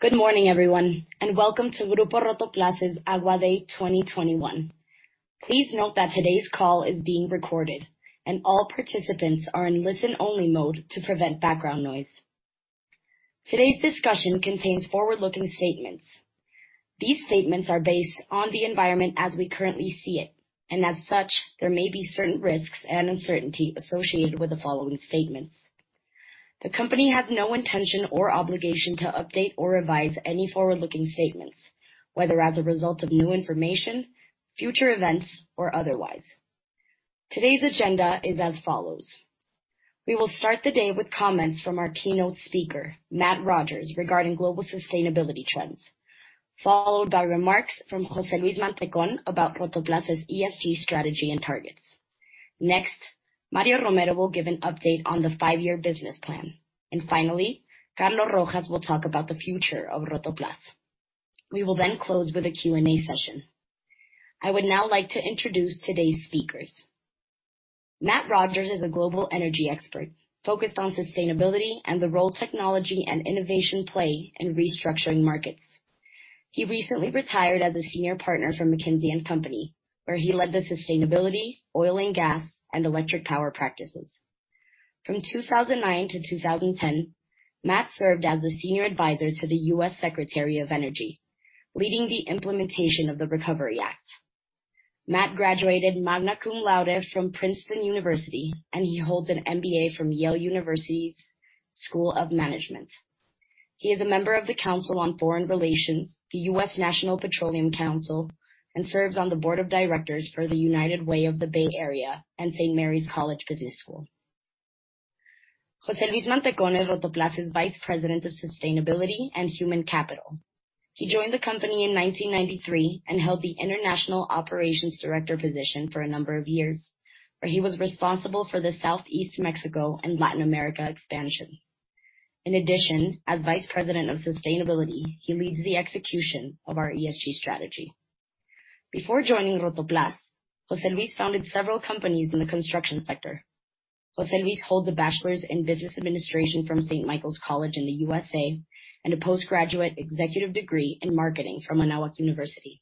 Good morning, everyone, and welcome to Grupo Rotoplas' AGUA Day 2021. Please note that today's call is being recorded, and all participants are in listen-only mode to prevent background noise. Today's discussion contains forward-looking statements. These statements are based on the environment as we currently see it, and as such, there may be certain risks and uncertainty associated with the following statements. The company has no intention or obligation to update or revise any forward-looking statements, whether as a result of new information, future events, or otherwise. Today's agenda is as follows. We will start the day with comments from our keynote speaker, Matt Rogers, regarding global sustainability trends, followed by remarks from José Luis Mantecón about Rotoplas' ESG strategy and targets. Next, Mario Romero will give an update on the five-year business plan. Finally, Carlos Rojas will talk about the future of Rotoplas. We will then close with a Q&A session. I would now like to introduce today's speakers. Matt Rogers is a global energy expert focused on sustainability and the role technology and innovation play in restructuring markets. He recently retired as a senior partner from McKinsey & Company, where he led the sustainability, oil and gas, and electric power practices. From 2009 to 2010, Matt served as the Senior Advisor to the U.S. Secretary of Energy, leading the implementation of the Recovery Act. Matt graduated magna cum laude from Princeton University, and he holds an MBA from Yale University's School of Management. He is a member of the Council on Foreign Relations, the U.S. National Petroleum Council, and serves on the Board of Directors for the United Way of the Bay Area and St. Mary's College Business School. José Luis Mantecón is Rotoplas' Vice President of Sustainability and Human Capital. He joined the company in 1993 and held the International Operations Director position for a number of years, where he was responsible for the Southeast Mexico and Latin America expansion. In addition, as Vice President of Sustainability, he leads the execution of our ESG strategy. Before joining Rotoplas, José Luis founded several companies in the construction sector. José Luis holds a Bachelor's in Business Administration from Saint Michael's College in the U.S. and a Postgraduate Executive Degree in Marketing from Anáhuac University.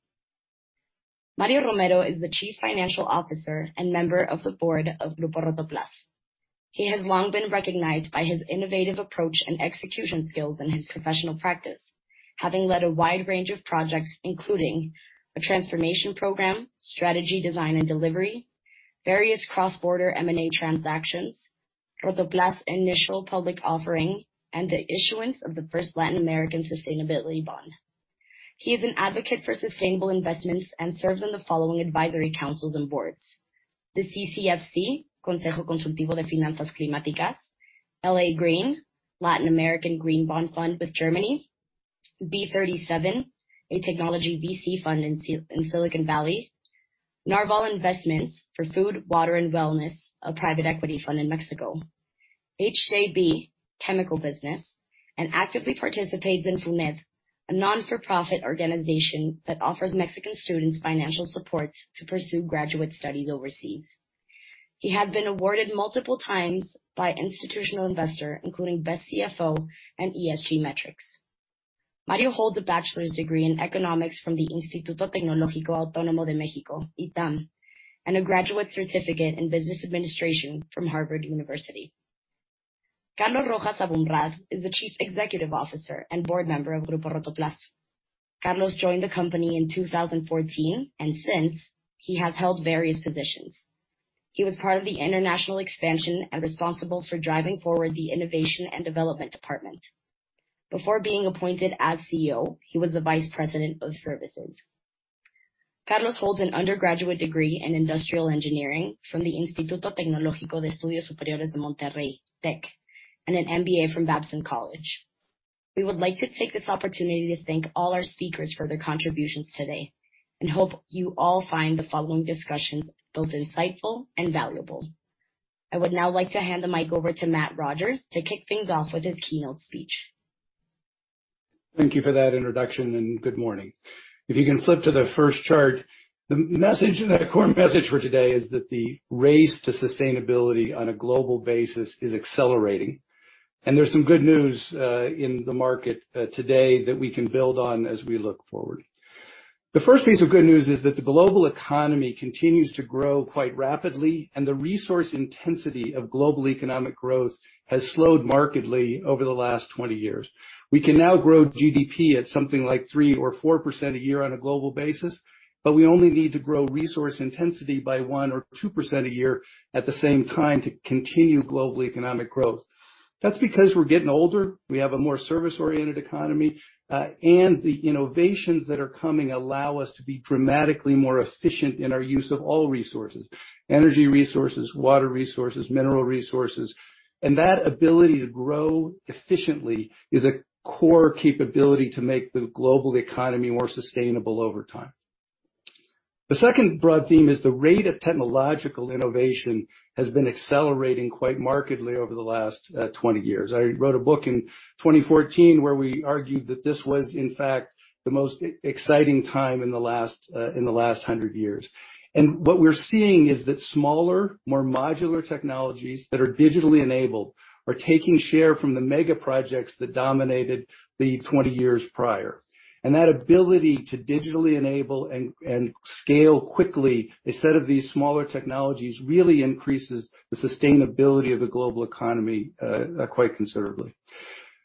Mario Romero is the Chief Financial Officer and member of the Board of Grupo Rotoplas. He has long been recognized by his innovative approach and execution skills in his professional practice, having led a wide range of projects, including a transformation program, strategy design and delivery, various cross-border M&A transactions, Rotoplas initial public offering, and the issuance of the first Latin American sustainability bond. He is an advocate for sustainable investments and serves on the following advisory councils and boards. The CCFC, Consejo Consultivo de Finanzas Climáticas, LAGreen, Latin American Green Bond Fund with Germany, B37, a technology VC fund in Silicon Valley, Narwhal Investments for food, water, and wellness, a private equity fund in Mexico, HJB (chemical business), and actively participates in FUNED, a not-for-profit organization that offers Mexican students financial support to pursue graduate studies overseas. He had been awarded multiple times by Institutional Investor, including Best CFO and ESG Metrics. Mario holds a bachelor's degree in economics from the Instituto Tecnológico Autónomo de México, ITAM, and a graduate certificate in business administration from Harvard University. Carlos Rojas Aboumrad is the Chief Executive Officer and board member of Grupo Rotoplas. Carlos joined the company in 2014, and since, he has held various positions. He was part of the international expansion and responsible for driving forward the innovation and development department. Before being appointed as CEO, he was the Vice President of Services. Carlos holds an undergraduate degree in industrial engineering from the Instituto Tecnológico de Estudios Superiores de Monterrey, TEC, and an MBA from Babson College. We would like to take this opportunity to thank all our speakers for their contributions today and hope you all find the following discussions both insightful and valuable. I would now like to hand the mic over to Matt Rogers to kick things off with his keynote speech. Thank you for that introduction, and good morning. If you can flip to the first chart, the core message for today is that the race to sustainability on a global basis is accelerating, and there's some good news in the market today that we can build on as we look forward. The first piece of good news is that the global economy continues to grow quite rapidly, and the resource intensity of global economic growth has slowed markedly over the last 20 years. We can now grow GDP at something like 3% or 4% a year on a global basis, but we only need to grow resource intensity by 1% or 2% a year at the same time to continue global economic growth. That's because we're getting older. We have a more service-oriented economy, and the innovations that are coming allow us to be dramatically more efficient in our use of all resources, energy resources, water resources, mineral resources. That ability to grow efficiently is a core capability to make the global economy more sustainable over time. The second broad theme is the rate of technological innovation has been accelerating quite markedly over the last 20 years. I wrote a book in 2014 where we argued that this was in fact the most exciting time in the last 100 years. What we're seeing is that smaller, more modular technologies that are digitally enabled are taking share from the mega projects that dominated the 20 years prior. That ability to digitally enable and scale quickly a set of these smaller technologies really increases the sustainability of the global economy quite considerably.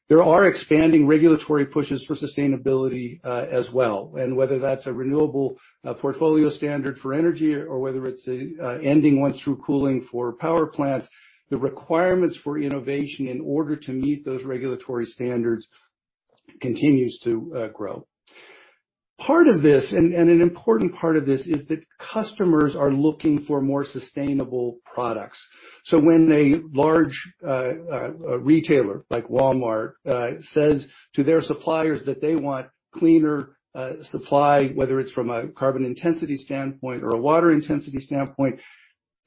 There are expanding regulatory pushes for sustainability as well. Whether that's a renewable portfolio standard for energy or whether it's a ending once-through cooling for power plants, the requirements for innovation in order to meet those regulatory standards continues to grow. Part of this, an important part of this, is that customers are looking for more sustainable products. When a large a retailer like Walmart says to their suppliers that they want cleaner supply, whether it's from a carbon intensity standpoint or a water intensity standpoint,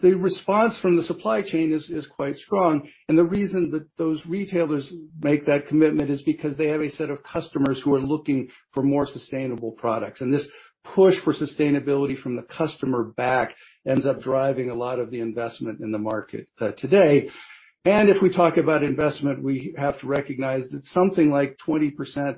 the response from the supply chain is quite strong. The reason that those retailers make that commitment is because they have a set of customers who are looking for more sustainable products. This push for sustainability from the customer base ends up driving a lot of the investment in the market today. If we talk about investment, we have to recognize that something like 20%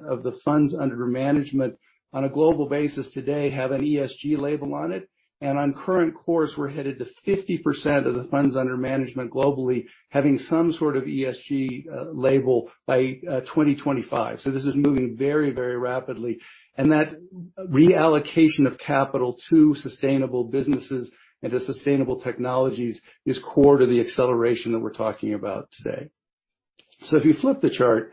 of the funds under management on a global basis today have an ESG label on it. On current course, we're headed to 50% of the funds under management globally having some sort of ESG label by 2025. This is moving very, very rapidly. That reallocation of capital to sustainable businesses and to sustainable technologies is core to the acceleration that we're talking about today. If you flip the chart,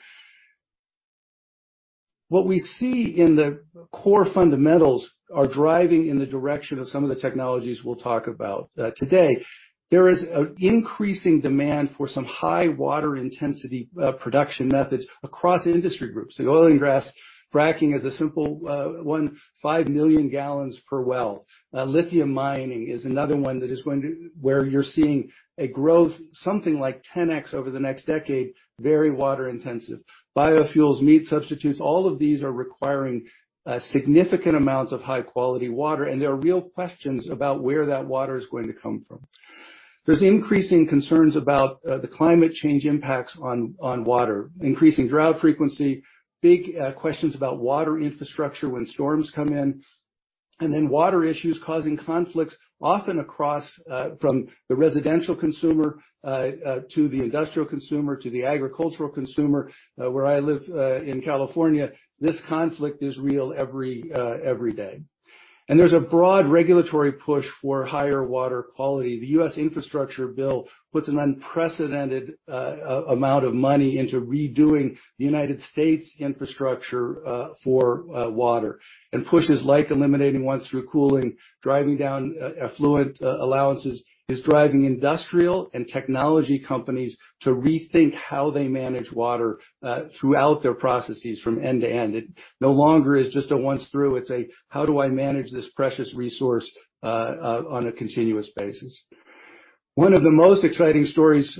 what we see in the core fundamentals are driving in the direction of some of the technologies we'll talk about today. There is increasing demand for some high water intensity production methods across industry groups. In oil and gas, fracking is a simple 1.5 million gal per well. Lithium mining is another one where you're seeing a growth, something like 10x over the next decade, very water intensive. Biofuels, meat substitutes, all of these are requiring significant amounts of high quality water, and there are real questions about where that water is going to come from. There's increasing concerns about the climate change impacts on water, increasing drought frequency, big questions about water infrastructure when storms come in, and then water issues causing conflicts, often across from the residential consumer to the industrial consumer, to the agricultural consumer. Where I live in California, this conflict is real every day. There's a broad regulatory push for higher water quality. The U.S. Infrastructure Bill puts an unprecedented amount of money into redoing the United States infrastructure for water. Pushes like eliminating once-through cooling, driving down effluent allowances, is driving industrial and technology companies to rethink how they manage water throughout their processes from end to end. It no longer is just a once-through. It's a how do I manage this precious resource on a continuous basis. One of the most exciting stories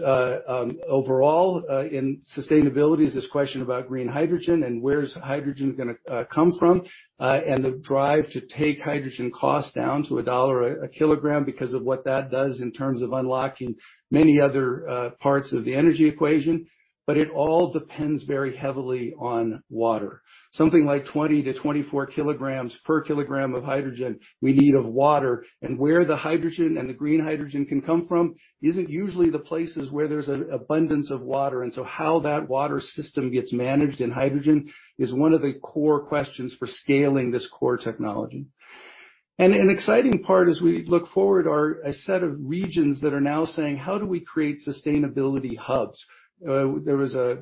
overall in sustainability is this question about green hydrogen and where's hydrogen gonna come from and the drive to take hydrogen costs down to $1 a kg because of what that does in terms of unlocking many other parts of the energy equation, but it all depends very heavily on water. Something like 20-24 kilograms per kilogram of hydrogen we need of water. Where the hydrogen and the green hydrogen can come from isn't usually the places where there's an abundance of water. How that water system gets managed in hydrogen is one of the core questions for scaling this core technology. An exciting part as we look forward are a set of regions that are now saying, "How do we create sustainability hubs?" There was a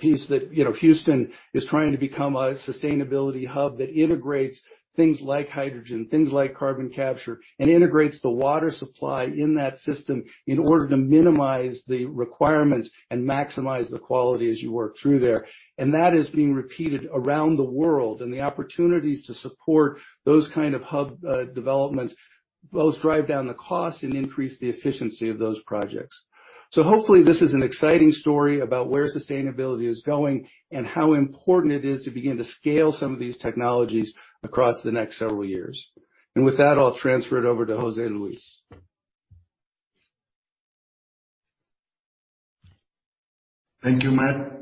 piece that, you know, Houston is trying to become a sustainability hub that integrates things like hydrogen, things like carbon capture, and integrates the water supply in that system in order to minimize the requirements and maximize the quality as you work through there. That is being repeated around the world. The opportunities to support those kind of hub developments both drive down the cost and increase the efficiency of those projects. Hopefully, this is an exciting story about where sustainability is going and how important it is to begin to scale some of these technologies across the next several years. With that, I'll transfer it over to José Luis. Thank you, Matt.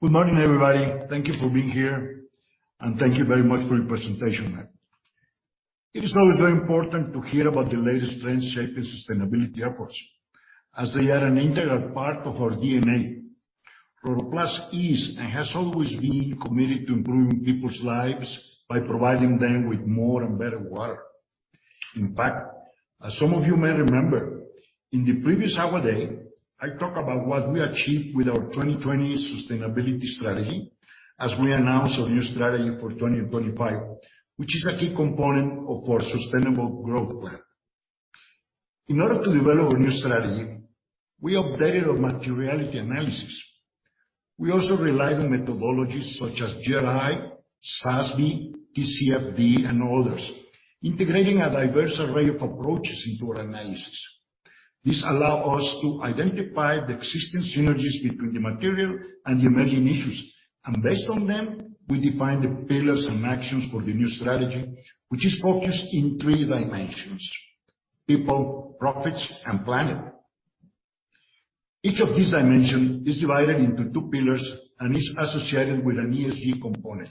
Good morning, everybody. Thank you for being here, and thank you very much for your presentation, Matt. It is always very important to hear about the latest trends shaping sustainability efforts as they are an integral part of our DNA. Rotoplas is and has always been committed to improving people's lives by providing them with more and better water. In fact, as some of you may remember, in the previous AGUA Day, I talked about what we achieved with our 2020 sustainability strategy as we announce our new strategy for 2025, which is a key component of our sustainable growth plan. In order to develop a new strategy, we updated our materiality analysis. We also relied on methodologies such as GRI, SASB, TCFD, and others, integrating a diverse array of approaches into our analysis. This allow us to identify the existing synergies between the material and emerging issues. Based on them, we define the pillars and actions for the new strategy, which is focused in three dimensions: people, profits, and planet. Each of these dimension is divided into two pillars and is associated with an ESG component.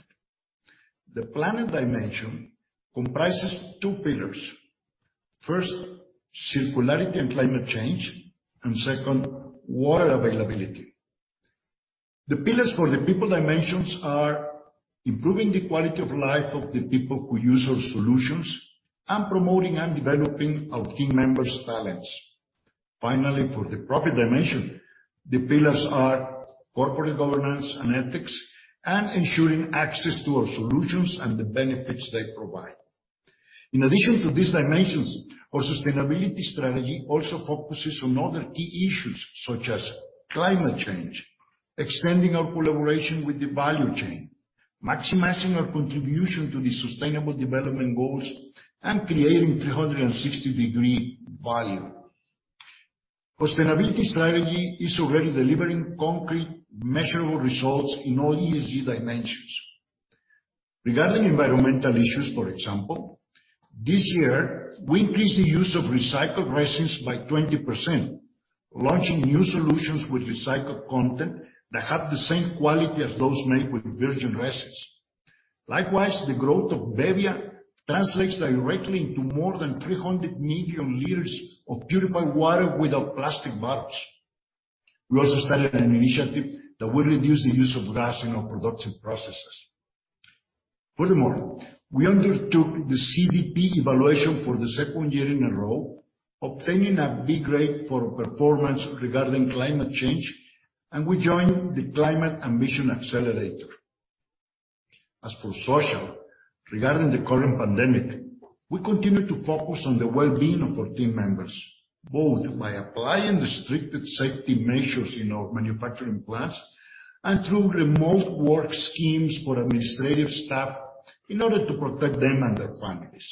The planet dimension comprises two pillars. First, circularity and climate change, and second, water availability. The pillars for the people dimensions are improving the quality of life of the people who use our solutions and promoting and developing our team members' talents. Finally, for the profit dimension, the pillars are corporate governance and ethics and ensuring access to our solutions and the benefits they provide. In addition to these dimensions, our sustainability strategy also focuses on other key issues such as climate change, extending our collaboration with the value chain, maximizing our contribution to the Sustainable Development Goals, and creating 360-degree value. Sustainability strategy is already delivering concrete measurable results in all ESG dimensions. Regarding environmental issues, for example, this year, we increased the use of recycled resins by 20%, launching new solutions with recycled content that have the same quality as those made with virgin resins. Likewise, the growth of bebbia translates directly into more than 300 million liters of purified water without plastic bottles. We also started an initiative that will reduce the use of gas in our production processes. Furthermore, we undertook the CDP evaluation for the second year in a row, obtaining a B grade for performance regarding climate change, and we joined the Climate Ambition Accelerator. As for social, regarding the current pandemic, we continue to focus on the well-being of our team members, both by applying the strict safety measures in our manufacturing plants and through remote work schemes for administrative staff in order to protect them and their families.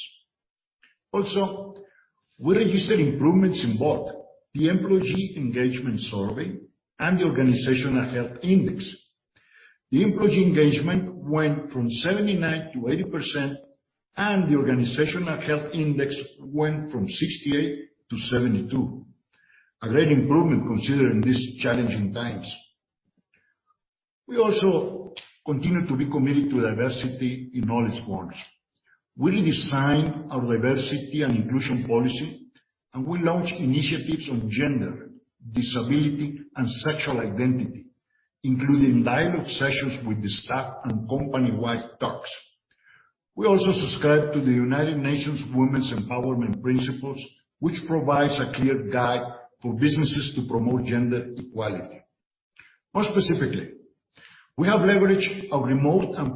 Also, we registered improvements in both the employee engagement survey and the organizational health index. The employee engagement went from 79% to 80%, and the organizational health index went from 68 to 72. A great improvement considering these challenging times. We also continue to be committed to diversity in all its forms. We redesign our diversity and inclusion policy, and we launch initiatives on gender, disability, and sexual identity, including dialogue sessions with the staff and company-wide talks. We also subscribe to the United Nations Women's Empowerment Principles, which provides a clear guide for businesses to promote gender equality. More specifically, we have leveraged our remote and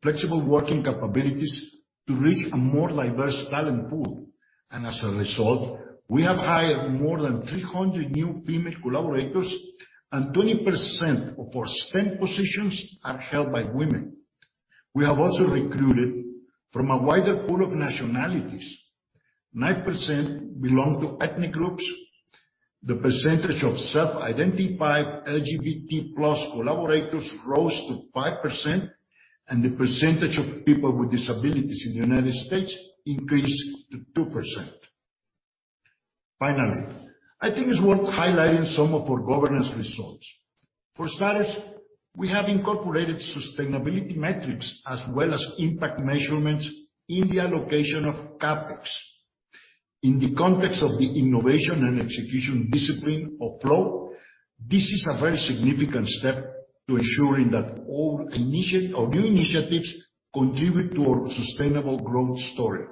flexible working capabilities to reach a more diverse talent pool. As a result, we have hired more than 300 new female collaborators and 20% of our STEM positions are held by women. We have also recruited from a wider pool of nationalities. 9% belong to ethnic groups. The percentage of self-identified LGBT+ collaborators rose to 5%, and the percentage of people with disabilities in the United States increased to 2%. Finally, I think it's worth highlighting some of our governance results. For starters, we have incorporated sustainability metrics as well as impact measurements in the allocation of CapEx. In the context of the innovation and execution discipline of Flow, this is a very significant step to ensuring that all new initiatives contribute to our sustainable growth story.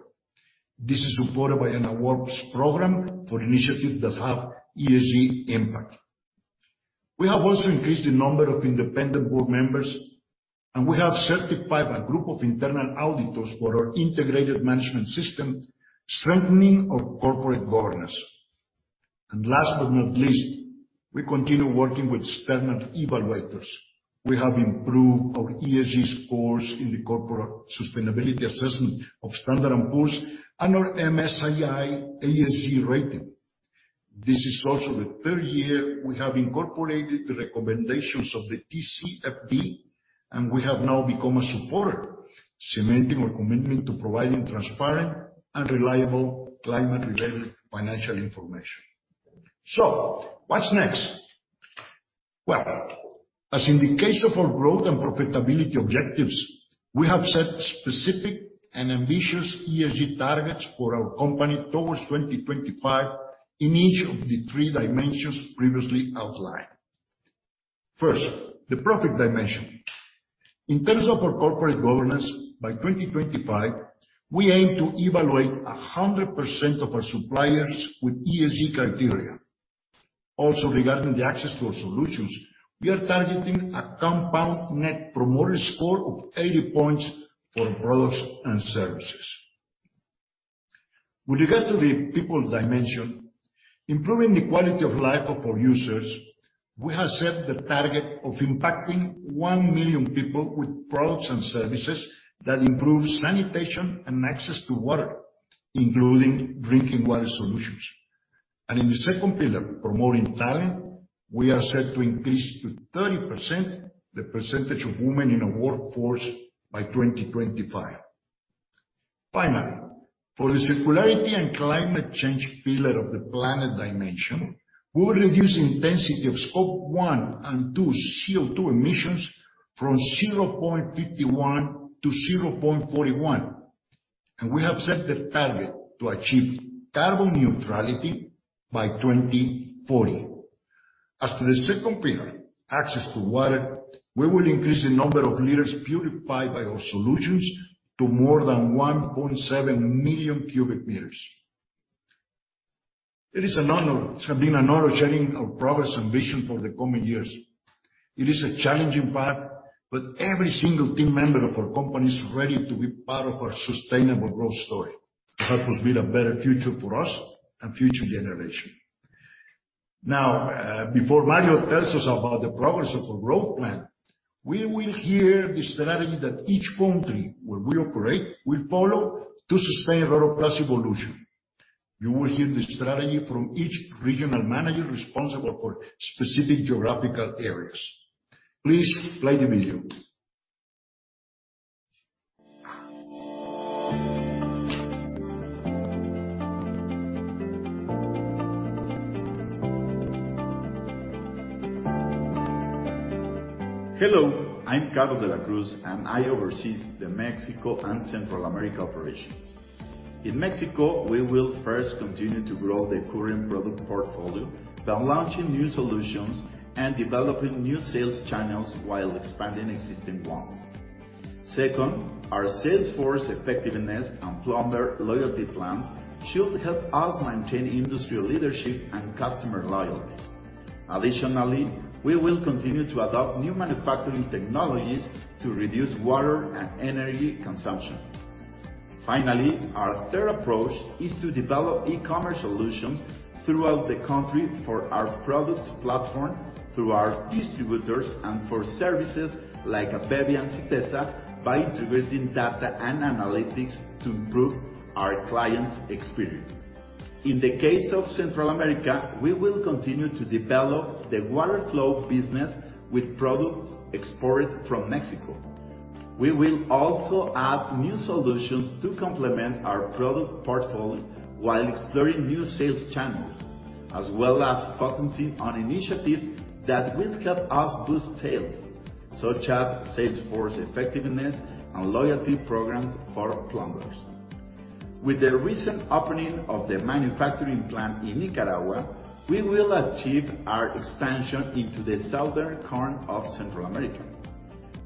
This is supported by an awards program for initiatives that have ESG impact. We have also increased the number of independent board members, and we have certified a group of internal auditors for our integrated management system, strengthening our corporate governance. Last but not least, we continue working with standard evaluators. We have improved our ESG scores in the corporate sustainability assessment of S&P Global and our MSCI ESG rating. This is also the third year we have incorporated the recommendations of the TCFD, and we have now become a supporter, cementing our commitment to providing transparent and reliable climate-related financial information. What's next? As in the case of our growth and profitability objectives, we have set specific and ambitious ESG targets for our company towards 2025 in each of the three dimensions previously outlined. First, the profit dimension. In terms of our corporate governance, by 2025, we aim to evaluate 100% of our suppliers with ESG criteria. Also, regarding the access to our solutions, we are targeting a compound Net Promoter Score of 80 points for products and services. With regards to the people dimension, improving the quality of life of our users, we have set the target of impacting one million people with products and services that improve sanitation and access to water, including drinking water solutions. In the second pillar, promoting talent, we are set to increase to 30% the percentage of women in our workforce by 2025. Finally, for the circularity and climate change pillar of the planet dimension, we will reduce the intensity of Scope 1 and 2 CO2 emissions from 0.51-0.41, and we have set the target to achieve carbon neutrality by 2040. As to the second pillar, access to water, we will increase the number of liters purified by our solutions to more than 1.7 million cubic meters. It is an honor, it has been an honor sharing our progress and vision for the coming years. It is a challenging path, but every single team member of our company is ready to be part of our sustainable growth story. Help us build a better future for us and future generation. Now, before Mario tells us about the progress of our growth plan, we will hear the strategy that each country where we operate will follow to sustain Rotoplas' evolution. You will hear the strategy from each regional manager responsible for specific geographical areas. Please play the video. Hello, I'm Carlos de la Cruz, and I oversee the Mexico and Central America operations. In Mexico, we will first continue to grow the current product portfolio by launching new solutions and developing new sales channels while expanding existing ones. Second, our sales force effectiveness and plumber loyalty plans should help us maintain industry leadership and customer loyalty. Additionally, we will continue to adopt new manufacturing technologies to reduce water and energy consumption. Finally, our third approach is to develop e-commerce solutions throughout the country for our products platform, through our distributors, and for services like bebbia and Sytesa by integrating data and analytics to improve our clients' experience. In the case of Central America, we will continue to develop the water flow business with products exported from Mexico. We will also add new solutions to complement our product portfolio while exploring new sales channels, as well as focusing on initiatives that will help us boost sales, such as sales force effectiveness and loyalty programs for plumbers. With the recent opening of the manufacturing plant in Nicaragua, we will achieve our expansion into the southern corner of Central America.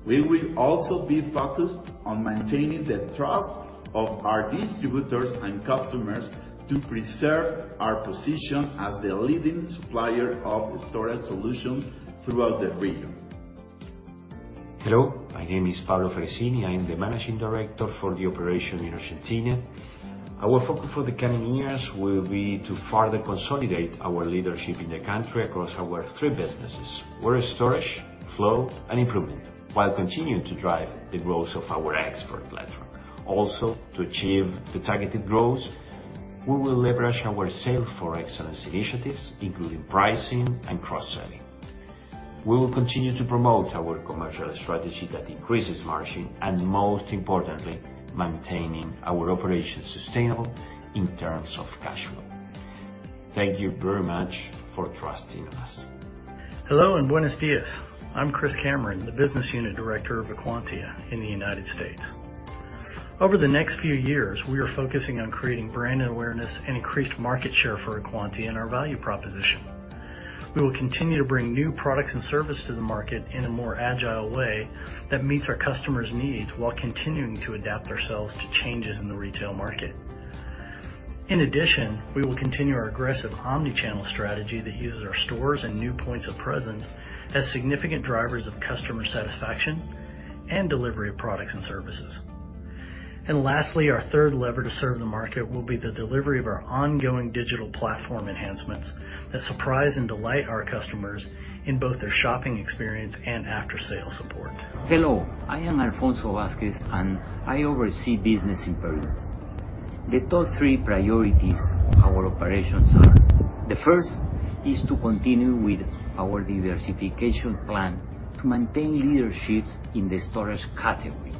We will also be focused on maintaining the trust of our distributors and customers to preserve our position as the leading supplier of storage solutions throughout the region. Hello, my name is Pablo Feresini. I'm the Managing Director for the operation in Argentina. Our focus for the coming years will be to further consolidate our leadership in the country across our three businesses: water storage, Flow, and improvement, while continuing to drive the growth of our export platform. To achieve the targeted growth, we will leverage our sales for excellence initiatives, including pricing and cross-selling. We will continue to promote our commercial strategy that increases margin and, most importantly, maintaining our operations sustainable in terms of cash flow. Thank you very much for trusting in us. Hello and buenos días. I'm Chris Cameron, the Business Unit Director of Acuantia in the United States. Over the next few years, we are focusing on creating brand awareness and increased market share for Acuantia and our value proposition. We will continue to bring new products and services to the market in a more agile way that meets our customers' needs while continuing to adapt ourselves to changes in the retail market. In addition, we will continue our aggressive omni-channel strategy that uses our stores and new points of presence as significant drivers of customer satisfaction and delivery of products and services. Lastly, our third lever to serve the market will be the delivery of our ongoing digital platform enhancements that surprise and delight our customers in both their shopping experience and after-sale support. Hello, I am Alfonso Vazquez, and I oversee business in Peru. The top three priorities our operations are. The first is to continue with our diversification plan to maintain leaderships in the storage category,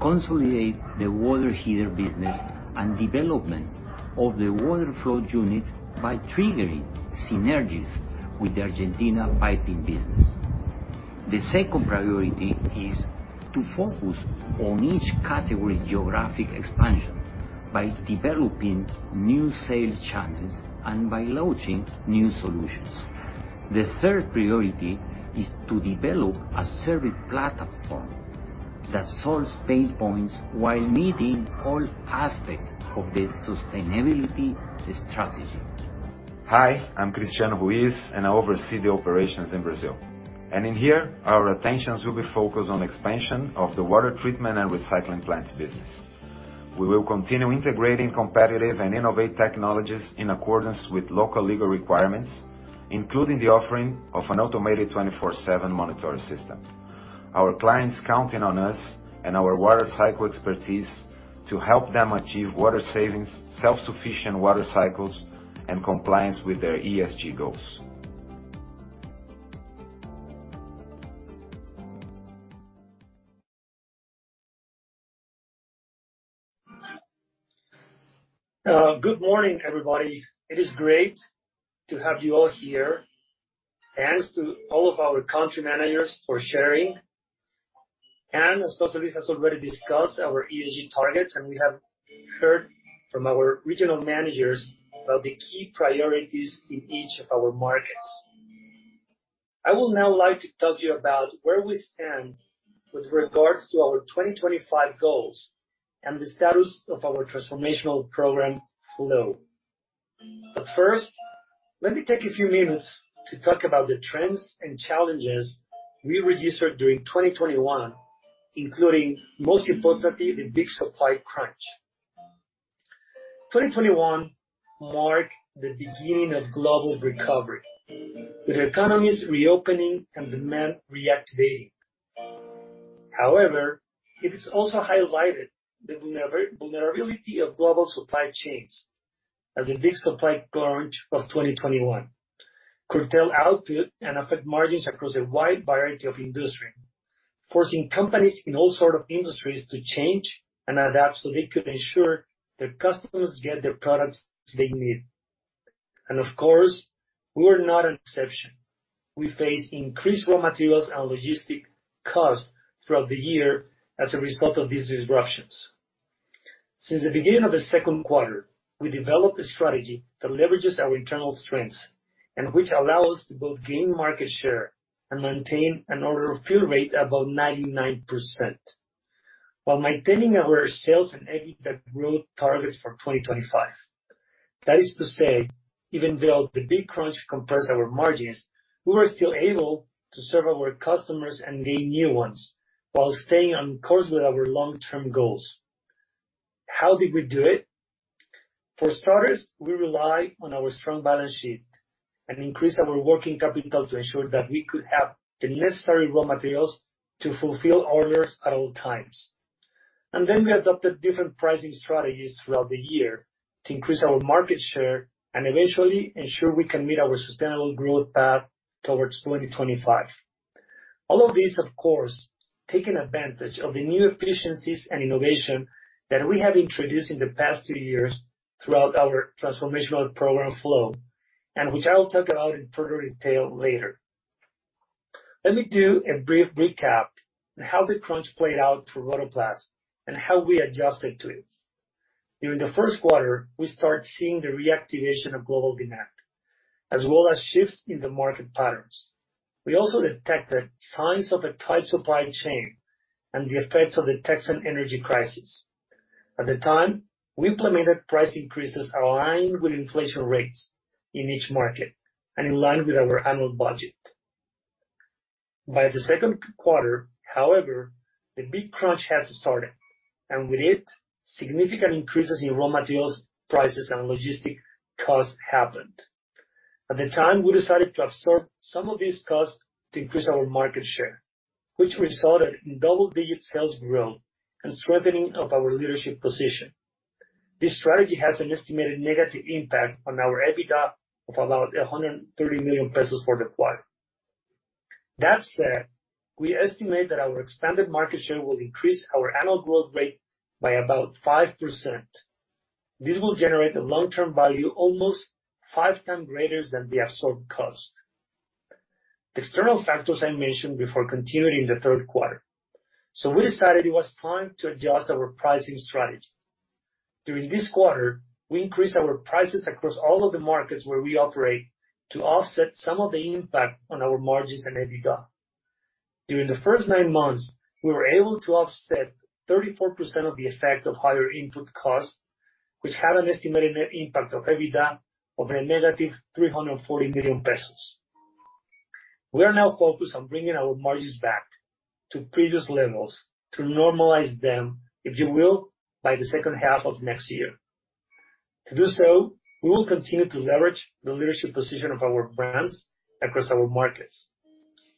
consolidate the water heater business, and development of the water flow unit by triggering synergies with the Argentina piping business. The second priority is to focus on each category geographic expansion by developing new sales channels and by launching new solutions. The third priority is to develop a service platform that solves pain points while meeting all aspects of the sustainability strategy. Hi, I'm Cristiano Ruiz, and I oversee the operations in Brazil. In here, our attention will be focused on expansion of the water treatment and recycling plants business. We will continue integrating competitive and innovative technologies in accordance with local legal requirements, including the offering of an automated 24/7 monitoring system. Our clients are counting on us and our water cycle expertise to help them achieve water savings, self-sufficient water cycles, and compliance with their ESG goals. Good morning, everybody. It is great to have you all here. Thanks to all of our country managers for sharing. As José Luis has already discussed our ESG targets, and we have heard from our regional managers about the key priorities in each of our markets. I would now like to talk to you about where we stand with regards to our 2025 goals and the status of our transformational program Flow. First, let me take a few minutes to talk about the trends and challenges we registered during 2021, including, most importantly, the big supply crunch. 2021 marked the beginning of global recovery, with economies reopening and demand reactivating. However, it has also highlighted the vulnerability of global supply chains as the big supply crunch of 2021 curtailed output and affected margins across a wide variety of industries, forcing companies in all sorts of industries to change and adapt so they could ensure their customers get the products they need. Of course, we were not an exception. We faced increased raw materials and logistics costs throughout the year as a result of these disruptions. Since the beginning of the second quarter, we developed a strategy that leverages our internal strengths and which allows us to both gain market share and maintain an order fulfillment rate above 99% while maintaining our sales and EBITDA growth targets for 2025. That is to say, even though the big crunch compressed our margins, we were still able to serve our customers and gain new ones while staying on course with our long-term goals. How did we do it? For starters, we rely on our strong balance sheet and increase our working capital to ensure that we could have the necessary raw materials to fulfill orders at all times. We adopted different pricing strategies throughout the year to increase our market share and eventually ensure we can meet our sustainable growth path towards 2025. All of this, of course, taking advantage of the new efficiencies and innovation that we have introduced in the past two years throughout our transformational program Flow, and which I will talk about in further detail later. Let me do a brief recap on how the crunch played out for Rotoplas and how we adjusted to it. During the first quarter, we start seeing the reactivation of global demand, as well as shifts in the market patterns. We also detected signs of a tight supply chain and the effects of the Texan energy crisis. At the time, we implemented price increases aligned with inflation rates in each market and in line with our annual budget. By the second quarter, however, the big crunch has started, and with it, significant increases in raw materials, prices, and logistic costs happened. At the time, we decided to absorb some of these costs to increase our market share, which resulted in double-digit sales growth and strengthening of our leadership position. This strategy has an estimated negative impact on our EBITDA of about 130 million pesos for the quarter. That said, we estimate that our expanded market share will increase our annual growth rate by about 5%. This will generate a long-term value almost 5 times greater than the absorbed cost. External factors I mentioned before continued in the third quarter, so we decided it was time to adjust our pricing strategy. During this quarter, we increased our prices across all of the markets where we operate to offset some of the impact on our margins and EBITDA. During the first nine months, we were able to offset 34% of the effect of higher input costs, which had an estimated net impact on EBITDA of a negative 340 million pesos. We are now focused on bringing our margins back to previous levels to normalize them, if you will, by the second half of next year. To do so, we will continue to leverage the leadership position of our brands across our markets.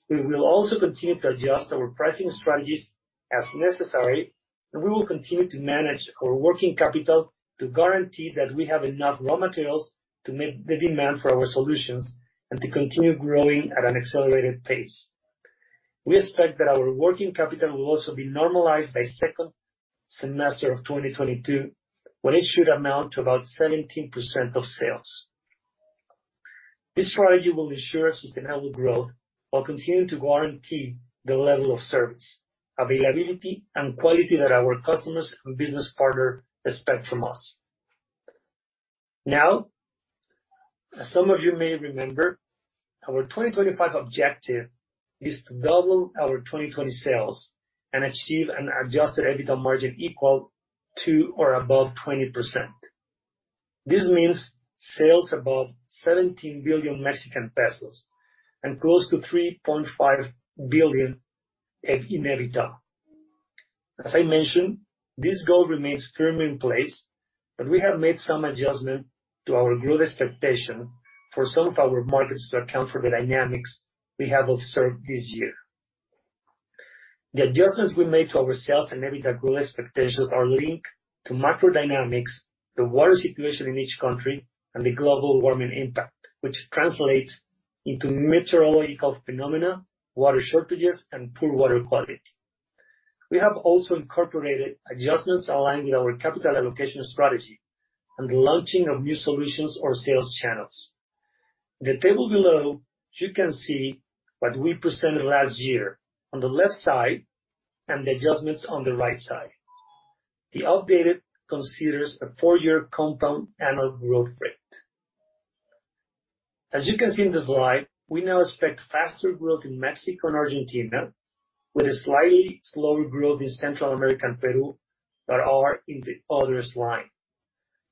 We will also continue to adjust our pricing strategies as necessary, and we will continue to manage our working capital to guarantee that we have enough raw materials to meet the demand for our solutions and to continue growing at an accelerated pace. We expect that our working capital will also be normalized by second semester of 2022, when it should amount to about 17% of sales. This strategy will ensure sustainable growth while continuing to guarantee the level of service, availability, and quality that our customers and business partner expect from us. Now, as some of you may remember, our 2025 objective is to double our 2020 sales and achieve an adjusted EBITDA margin equal to or above 20%. This means sales above 17 billion Mexican pesos and close to 3.5 billion in EBITDA. As I mentioned, this goal remains firmly in place, but we have made some adjustment to our growth expectation for some of our markets to account for the dynamics we have observed this year. The adjustments we made to our sales and EBITDA growth expectations are linked to macro dynamics, the water situation in each country, and the global warming impact, which translates into meteorological phenomena, water shortages, and poor water quality. We have also incorporated adjustments aligned with our capital allocation strategy and the launching of new solutions or sales channels. The table below, you can see what we presented last year on the left side and the adjustments on the right side. The updated considers a four-year compound annual growth rate. As you can see in the slide, we now expect faster growth in Mexico and Argentina with a slightly slower growth in Central America and Peru that are in the others line.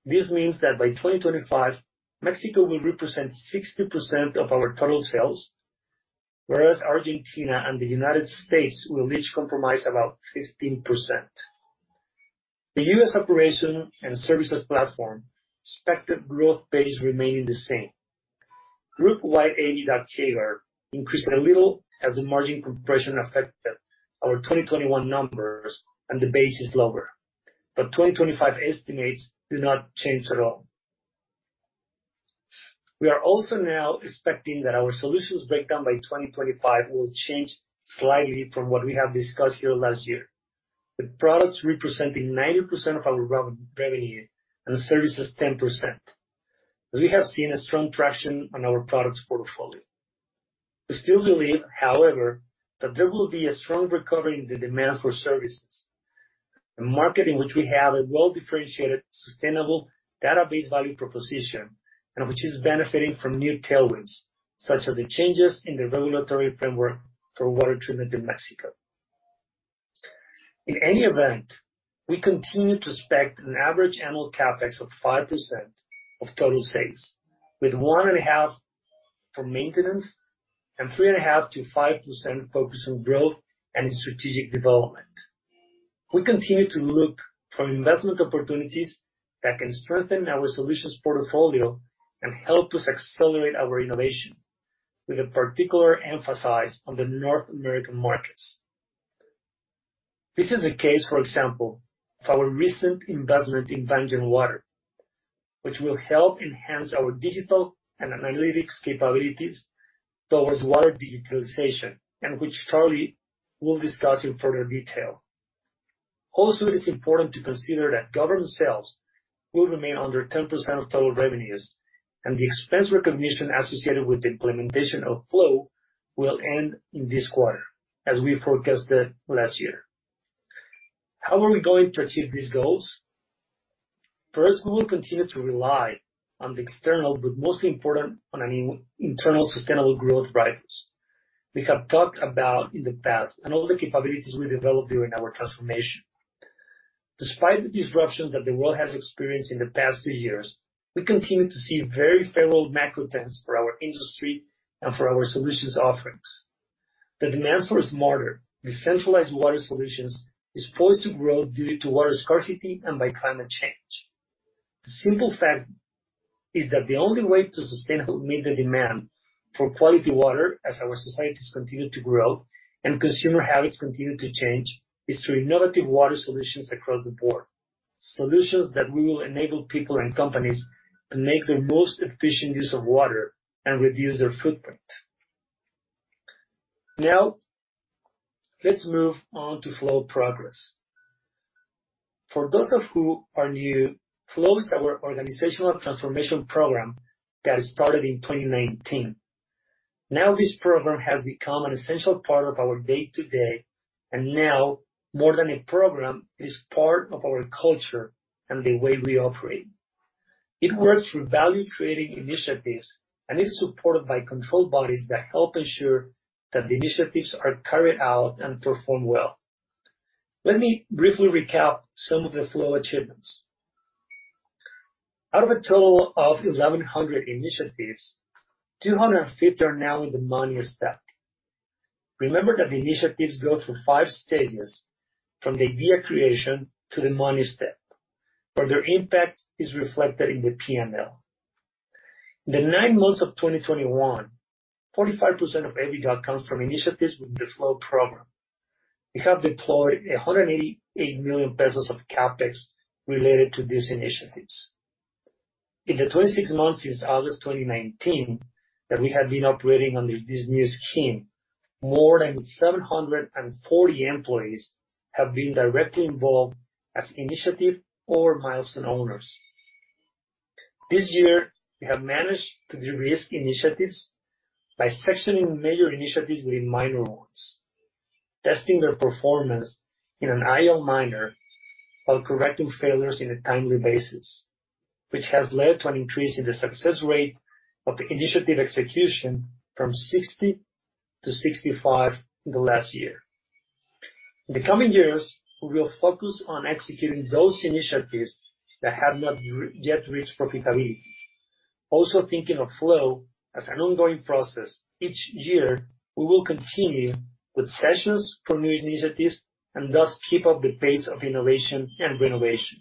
This means that by 2025, Mexico will represent 60% of our total sales, whereas Argentina and the United States will each comprise about 15%. The U.S. operation and services platform expected growth pace remaining the same. Group-wide EBITDA CAGR increased a little as the margin compression affected our 2021 numbers, and the base is lower. 2025 estimates do not change at all. We are also now expecting that our solutions breakdown by 2025 will change slightly from what we have discussed here last year, with products representing 90% of our revenue and services 10%, as we have seen a strong traction on our products portfolio. We still believe, however, that there will be a strong recovery in the demand for services, a market in which we have a well-differentiated sustainable database value proposition and which is benefiting from new tailwinds, such as the changes in the regulatory framework for water treatment in Mexico. In any event, we continue to expect an average annual CapEx of 5% of total sales, with 1.5% for maintenance and 3.5%-5% focused on growth and strategic development. We continue to look for investment opportunities that can strengthen our solutions portfolio and help us accelerate our innovation with a particular emphasis on the North American markets. This is the case, for example, of our recent investment in Banyan Water, which will help enhance our digital and analytics capabilities towards water digitalization and which Charlie will discuss in further detail. Also, it is important to consider that government sales will remain under 10% of total revenues, and the expense recognition associated with the implementation of Flow will end in this quarter, as we forecasted last year. How are we going to achieve these goals? First, we will continue to rely on the external, but most important on an internal sustainable growth drivers we have talked about in the past and all the capabilities we developed during our transformation. Despite the disruption that the world has experienced in the past two years, we continue to see very favorable macro trends for our industry and for our solutions offerings. The demand for smarter, decentralized water solutions is poised to grow due to water scarcity and by climate change. The simple fact is that the only way to sustainably meet the demand for quality water as our societies continue to grow and consumer habits continue to change is through innovative water solutions across the board. Solutions that will enable people and companies to make the most efficient use of water and reduce their footprint. Now, let's move on to Flow progress. For those of you who are new, Flow is our organizational transformation program that started in 2019. Now, this program has become an essential part of our day-to-day, and now more than a program, it is part of our culture and the way we operate. It works through value-creating initiatives and is supported by control bodies that help ensure that the initiatives are carried out and perform well. Let me briefly recap some of the Flow achievements. Out of a total of 1,100 initiatives, 250 are now in the money step. Remember that the initiatives go through five stages from the idea creation to the money step, where their impact is reflected in the P&L. In the nine months of 2021, 45% of EBITDA comes from initiatives with the Flow program. We have deployed 188 million pesos of CapEx related to these initiatives. In the 26 months since August 2019 that we have been operating under this new scheme, more than 740 employees have been directly involved as initiative or milestone owners. This year, we have managed to de-risk initiatives by sectioning major initiatives with minor ones, testing their performance in an aisle minor while correcting failures in a timely basis, which has led to an increase in the success rate of the initiative execution from 60%-65% in the last year. In the coming years, we will focus on executing those initiatives that have not yet reached profitability. Thinking of Flow as an ongoing process, each year we will continue with sessions for new initiatives and thus keep up the pace of innovation and renovation.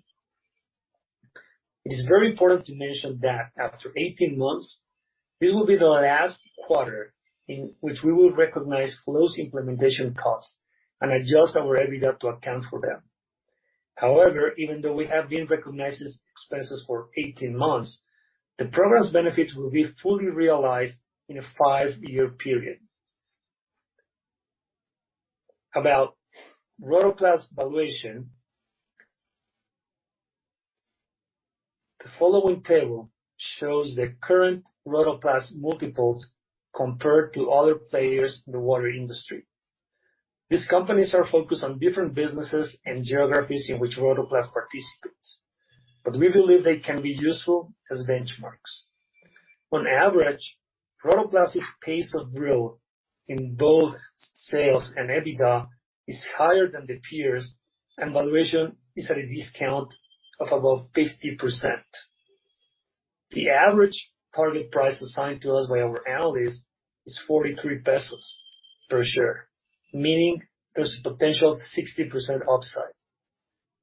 It is very important to mention that after 18 months, this will be the last quarter in which we will recognize those implementation costs and adjust our EBITDA to account for them. However, even though we have been recognizing expenses for 18 months, the program's benefits will be fully realized in a five-year period. About Rotoplas valuation. The following table shows the current Rotoplas multiples compared to other players in the water industry. These companies are focused on different businesses and geographies in which Rotoplas participates, but we believe they can be useful as benchmarks. On average, Rotoplas's pace of growth in both sales and EBITDA is higher than the peers, and valuation is at a discount of about 50%. The average target price assigned to us by our analysts is 43 pesos per share, meaning there's a potential 60% upside.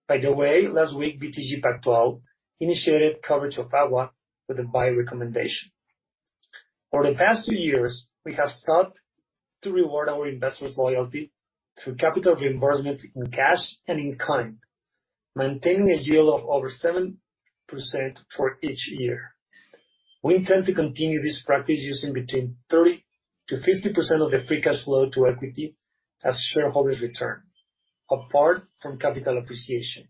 By the way, last week, BTG Pactual initiated coverage of AGUA with a buy recommendation. For the past two years, we have sought to reward our investors' loyalty through capital reimbursement in cash and in kind, maintaining a yield of over 7% for each year. We intend to continue this practice using between 30%-50% of the free cash flow to equity as shareholders return, apart from capital appreciation.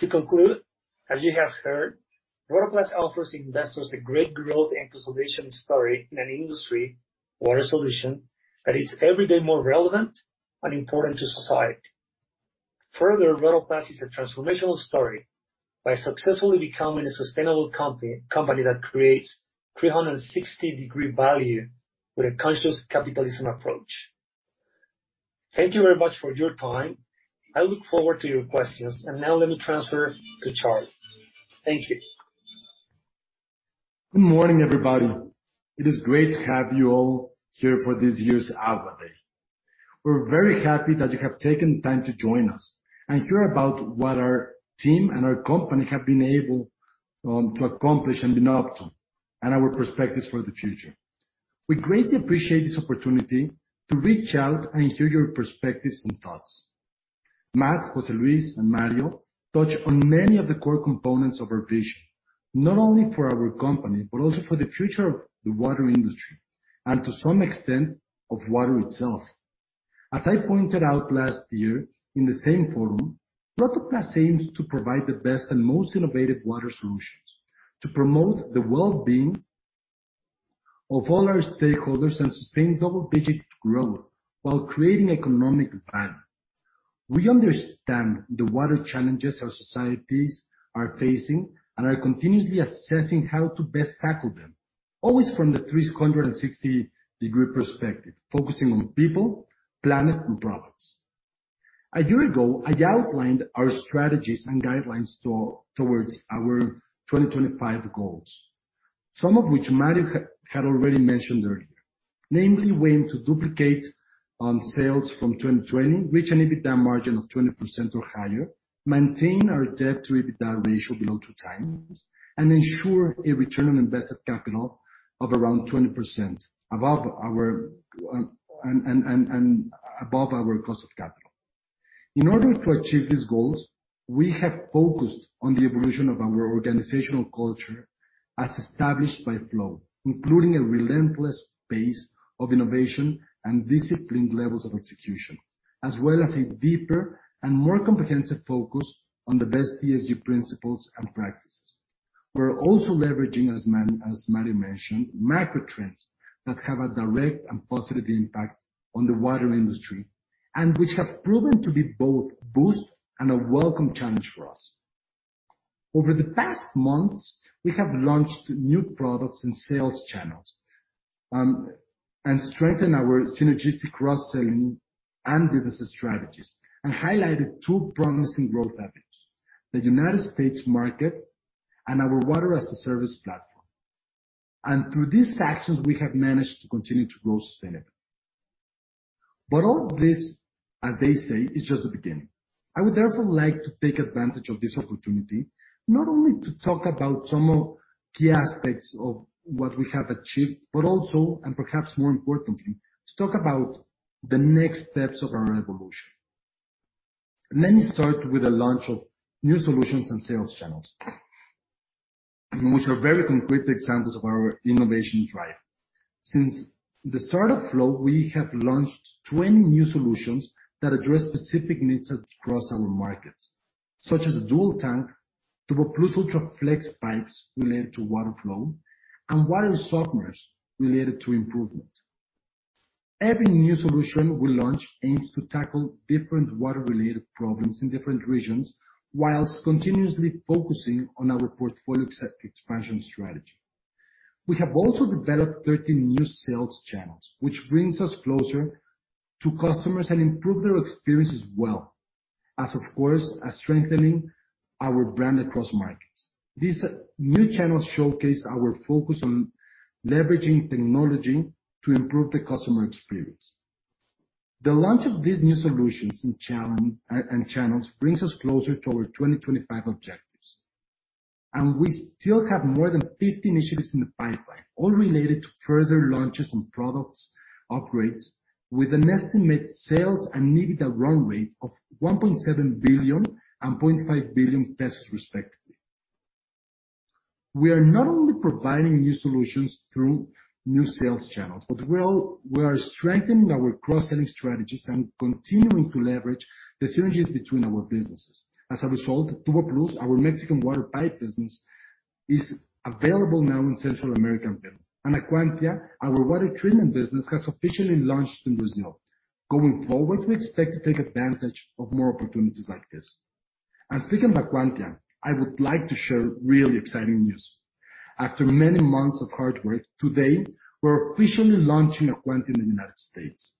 To conclude, as you have heard, Rotoplas offers investors a great growth and consolidation story in the water solutions industry that is every day more relevant and important to society. Further, Rotoplas is a transformational story by successfully becoming a sustainable company that creates 360-degree value with a conscious capitalism approach. Thank you very much for your time. I look forward to your questions. Now let me transfer to Charlie. Thank you. Good morning, everybody. It is great to have you all here for this year's AGUA Day. We're very happy that you have taken the time to join us and hear about what our team and our company have been able to accomplish and been up to, and our perspectives for the future. We greatly appreciate this opportunity to reach out and hear your perspectives and thoughts. Matt, José Luis, and Mario touched on many of the core components of our vision, not only for our company, but also for the future of the water industry, and to some extent, of water itself. As I pointed out last year in the same forum, Rotoplas aims to provide the best and most innovative water solutions to promote the well-being of all our stakeholders and sustain double-digit growth while creating economic value. We understand the water challenges our societies are facing and are continuously assessing how to best tackle them, always from the 360-degree perspective, focusing on people, planet and profits. A year ago, I outlined our strategies and guidelines towards our 2025 goals, some of which Mario had already mentioned earlier, namely we aim to duplicate sales from 2020, reach an EBITDA margin of 20% or higher, maintain our debt to EBITDA ratio below 2x, and ensure a return on invested capital of around 20% above our cost of capital. In order to achieve these goals, we have focused on the evolution of our organizational culture as established by Flow, including a relentless pace of innovation and disciplined levels of execution, as well as a deeper and more comprehensive focus on the best ESG principles and practices. We're also leveraging, as Mario mentioned, macro trends that have a direct and positive impact on the water industry, and which have proven to be both boost and a welcome challenge for us. Over the past months, we have launched new products and sales channels, and strengthened our synergistic cross-selling and business strategies and highlighted two promising growth avenues, the United States market and our water-as-a-service platform. Through these actions, we have managed to continue to grow sustainably. All of this, as they say, is just the beginning. I would therefore like to take advantage of this opportunity not only to talk about some of the key aspects of what we have achieved, but also, and perhaps more importantly, to talk about the next steps of our evolution. Let me start with the launch of new solutions and sales channels, which are very concrete examples of our innovation drive. Since the start of Flow, we have launched 20 new solutions that address specific needs across our markets, such as dual tank, Tuboplus UltraFlex pipes related to water flow, and water softeners related to improvement. Every new solution we launch aims to tackle different water-related problems in different regions, while continuously focusing on our portfolio expansion strategy. We have also developed 13 new sales channels, which bring us closer to customers and improve their experience as well, as of course, as strengthening our brand across markets. These new channels showcase our focus on leveraging technology to improve the customer experience. The launch of these new solutions and channels brings us closer to our 2025 objectives. We still have more than 50 initiatives in the pipeline, all related to further launches and product upgrades, with an estimated sales and EBITDA run rate of 1.7 billion and 0.5 billion pesos respectively. We are not only providing new solutions through new sales channels, but we are strengthening our cross-selling strategies and continuing to leverage the synergies between our businesses. As a result, Tuboplus, our Mexican water pipe business, is available now in Central America and Acuantia, our water treatment business, has officially launched in Brazil. Going forward, we expect to take advantage of more opportunities like this. Speaking of Acuantia, I would like to share really exciting news. After many months of hard work, today we're officially launching Acuantia in the United States.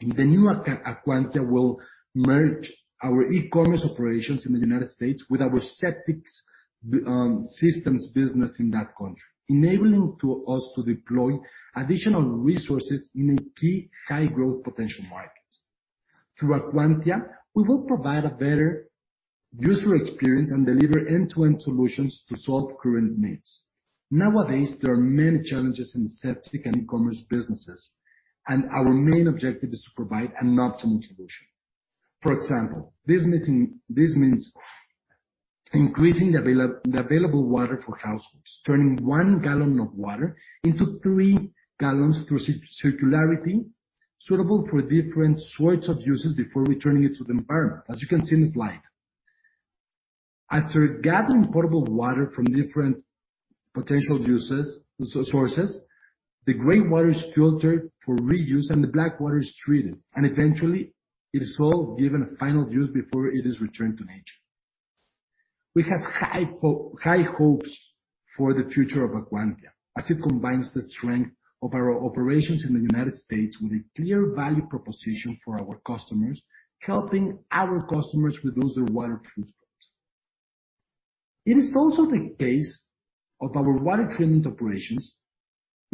The new Acuantia will merge our e-commerce operations in the United States with our septic systems business in that country, enabling us to deploy additional resources in a key high growth potential market. Through Acuantia, we will provide a better user experience and deliver end-to-end solutions to solve current needs. Nowadays, there are many challenges in septic and e-commerce businesses, and our main objective is to provide an optimal solution. For example, this means increasing the available water for households, turning one gallon of water into three gallons through circularity suitable for different sorts of uses before returning it to the environment, as you can see in this slide. After gathering potable water from different potential sources, the gray water is filtered for reuse and the black water is treated, and eventually it is all given a final use before it is returned to nature. We have high hopes for the future of Acuantia, as it combines the strength of our operations in the United States with a clear value proposition for our customers, helping our customers reduce their water footprint. It is also the case of our water treatment operations.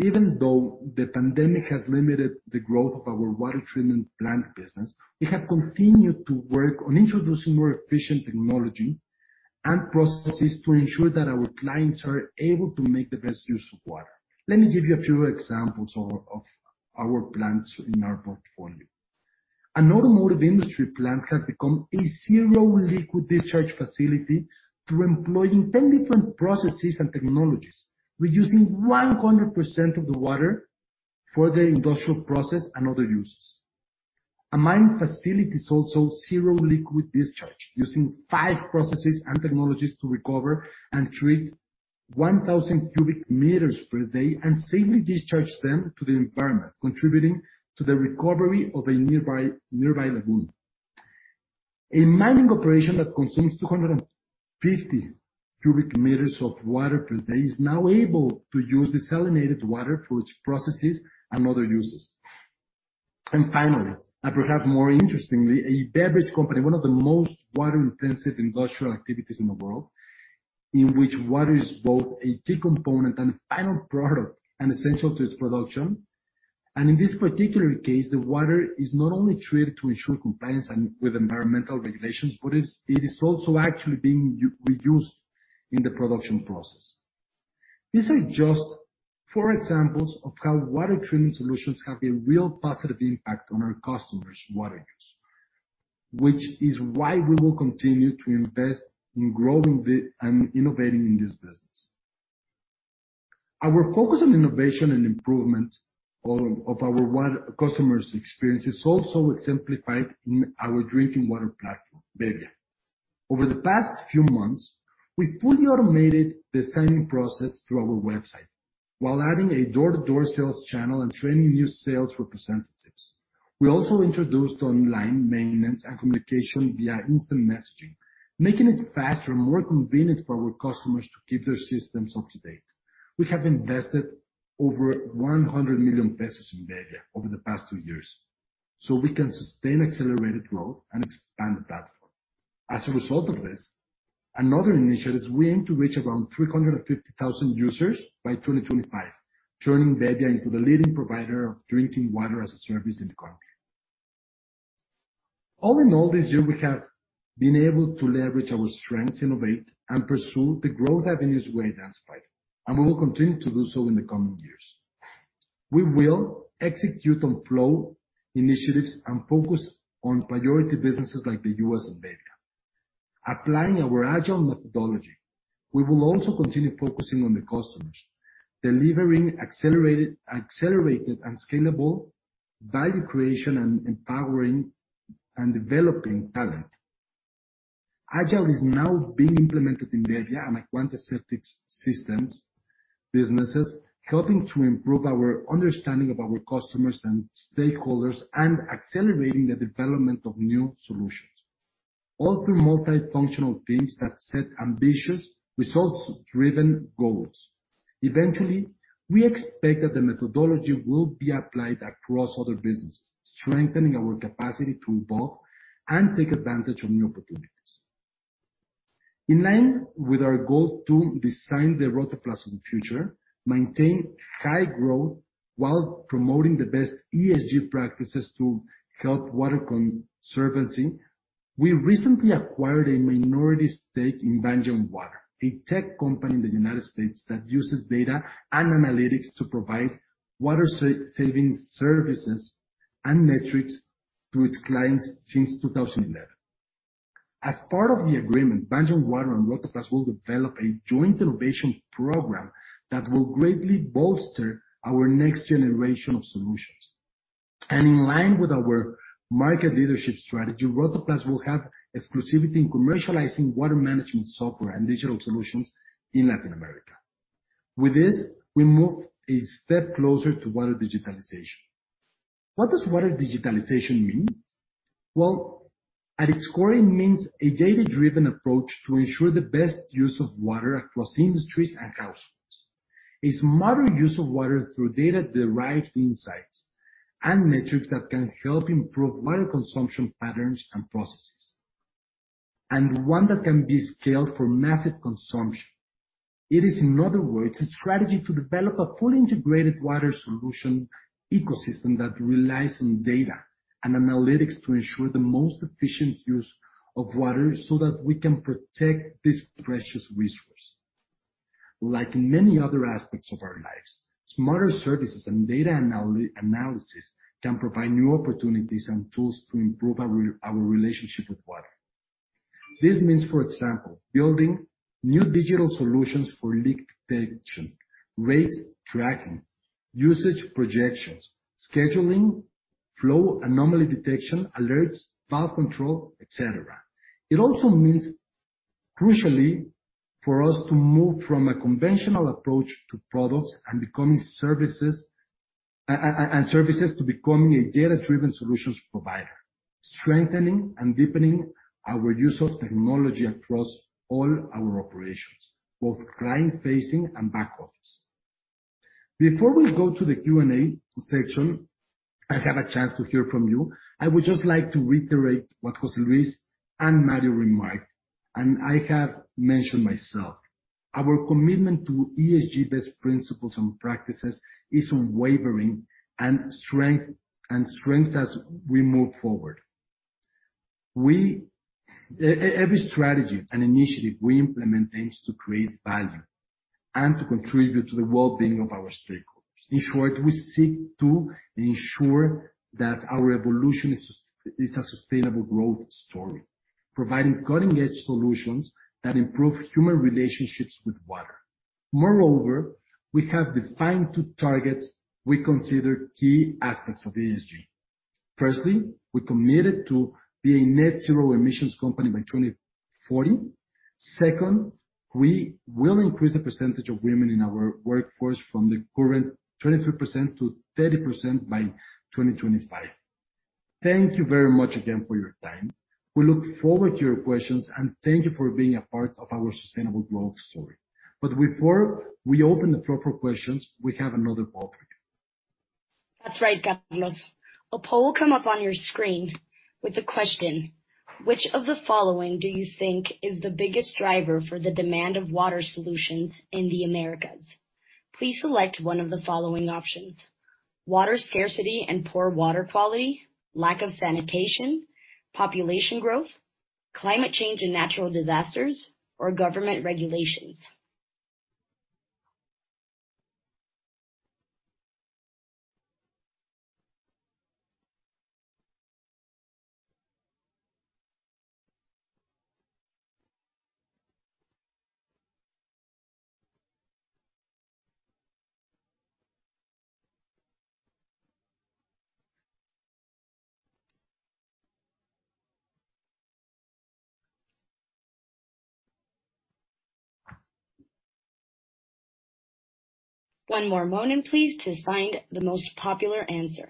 Even though the pandemic has limited the growth of our water treatment plant business, we have continued to work on introducing more efficient technology and processes to ensure that our clients are able to make the best use of water. Let me give you a few examples of our plants in our portfolio. An automotive industry plant has become a zero liquid discharge facility through employing 10 different processes and technologies, reusing 100% of the water for the industrial process and other uses. A mine facility is also zero liquid discharge, using 5 processes and technologies to recover and treat 1,000 cubic meters per day and safely discharge them to the environment, contributing to the recovery of a nearby lagoon. A mining operation that consumes 250 cubic meters of water per day is now able to use desalinated water for its processes and other uses. Finally, and perhaps more interestingly, a beverage company, one of the most water-intensive industrial activities in the world, in which water is both a key component and final product, and essential to its production. In this particular case, the water is not only treated to ensure compliance with environmental regulations, but it is also actually being reused in the production process. These are just four examples of how water treatment solutions have a real positive impact on our customers' water use, which is why we will continue to invest in growing and innovating in this business. Our focus on innovation and improvement of our water customers' experience is also exemplified in our drinking water platform, bebbia. Over the past few months, we fully automated the signing process through our website while adding a door-to-door sales channel and training new sales representatives. We also introduced online maintenance and communication via instant messaging, making it faster and more convenient for our customers to keep their systems up to date. We have invested over 100 million pesos in bebbia over the past two years, so we can sustain accelerated growth and expand the platform. As a result of this, another initiative is we aim to reach around 350,000 users by 2025, turning bebbia into the leading provider of drinking water as a service in the country. All in all, this year we have been able to leverage our strengths, innovate, and pursue the growth avenues we identified, and we will continue to do so in the coming years. We will execute on Flow initiatives and focus on priority businesses like the U.S. and bebbia, applying our agile methodology. We will also continue focusing on the customers, delivering accelerated and scalable value creation, and empowering and developing talent. Agile is now being implemented in bebbia and Acuantia septic systems businesses, helping to improve our understanding of our customers and stakeholders and accelerating the development of new solutions, all through multifunctional teams that set ambitious, results-driven goals. Eventually, we expect that the methodology will be applied across other businesses, strengthening our capacity to evolve and take advantage of new opportunities. In line with our goal to design the Rotoplas of the future, maintain high growth while promoting the best ESG practices to help water conservation, we recently acquired a minority stake in Banyan Water, a tech company in the United States that uses data and analytics to provide water-saving services and metrics to its clients since 2011. As part of the agreement, Banyan Water and Rotoplas will develop a joint innovation program that will greatly bolster our next generation of solutions. In line with our market leadership strategy, Rotoplas will have exclusivity in commercializing water management software and digital solutions in Latin America. With this, we move a step closer to water digitalization. What does water digitalization mean? Well, at its core, it means a data-driven approach to ensure the best use of water across industries and households. It's modern use of water through data-derived insights and metrics that can help improve water consumption patterns and processes, and one that can be scaled for massive consumption. It is, in other words, a strategy to develop a fully integrated water solution ecosystem that relies on data and analytics to ensure the most efficient use of water so that we can protect this precious resource. Like many other aspects of our lives, smarter services and data analysis can provide new opportunities and tools to improve our relationship with water. This means, for example, building new digital solutions for leak detection, rate tracking, usage projections, scheduling, flow anomaly detection, alerts, valve control, et cetera. It also means, crucially, for us to move from a conventional approach to products and services to becoming a data-driven solutions provider, strengthening and deepening our use of technology across all our operations, both client-facing and back office. Before we go to the Q&A section and have a chance to hear from you, I would just like to reiterate what José Luis and Mario remarked, and I have mentioned myself. Our commitment to ESG best principles and practices is unwavering and strengthens as we move forward. Every strategy and initiative we implement aims to create value and to contribute to the well-being of our stakeholders. In short, we seek to ensure that our evolution is a sustainable growth story, providing cutting-edge solutions that improve human relationships with water. Moreover, we have defined two targets we consider key aspects of ESG. Firstly, we're committed to being net zero emissions company by 2040. Second, we will increase the percentage of women in our workforce from the current 23% to 30% by 2025. Thank you very much again for your time. We look forward to your questions, and thank you for being a part of our sustainable growth story. But before we open the floor for questions, we have another poll for you. That's right, Carlos. A poll will come up on your screen with the question: Which of the following do you think is the biggest driver for the demand of water solutions in the Americas? Please select one of the following options: Water scarcity and poor water quality, lack of sanitation, population growth, climate change and natural disasters, or government regulations. One more moment, please, to find the most popular answer.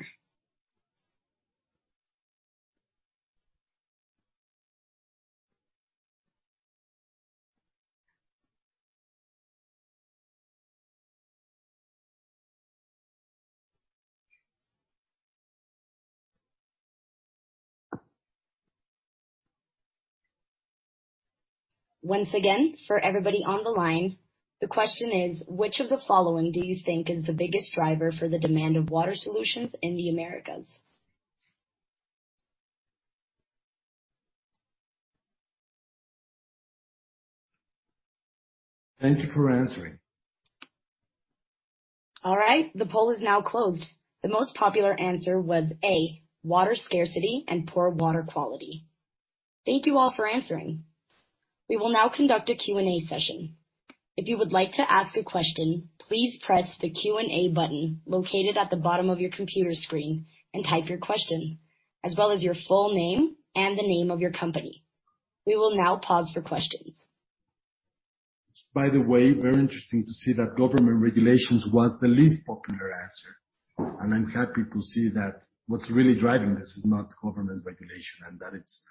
Once again, for everybody on the line, the question is: Which of the following do you think is the biggest driver for the demand of water solutions in the Americas? Thank you for answering. All right, the poll is now closed. The most popular answer was A, water scarcity and poor water quality. Thank you all for answering. We will now conduct a Q&A session. If you would like to ask a question, please press the Q&A button located at the bottom of your computer screen and type your question as well as your full name and the name of your company. We will now pause for questions. By the way, very interesting to see that government regulations was the least popular answer, and I'm happy to see that what's really driving this is not government regulation and that it's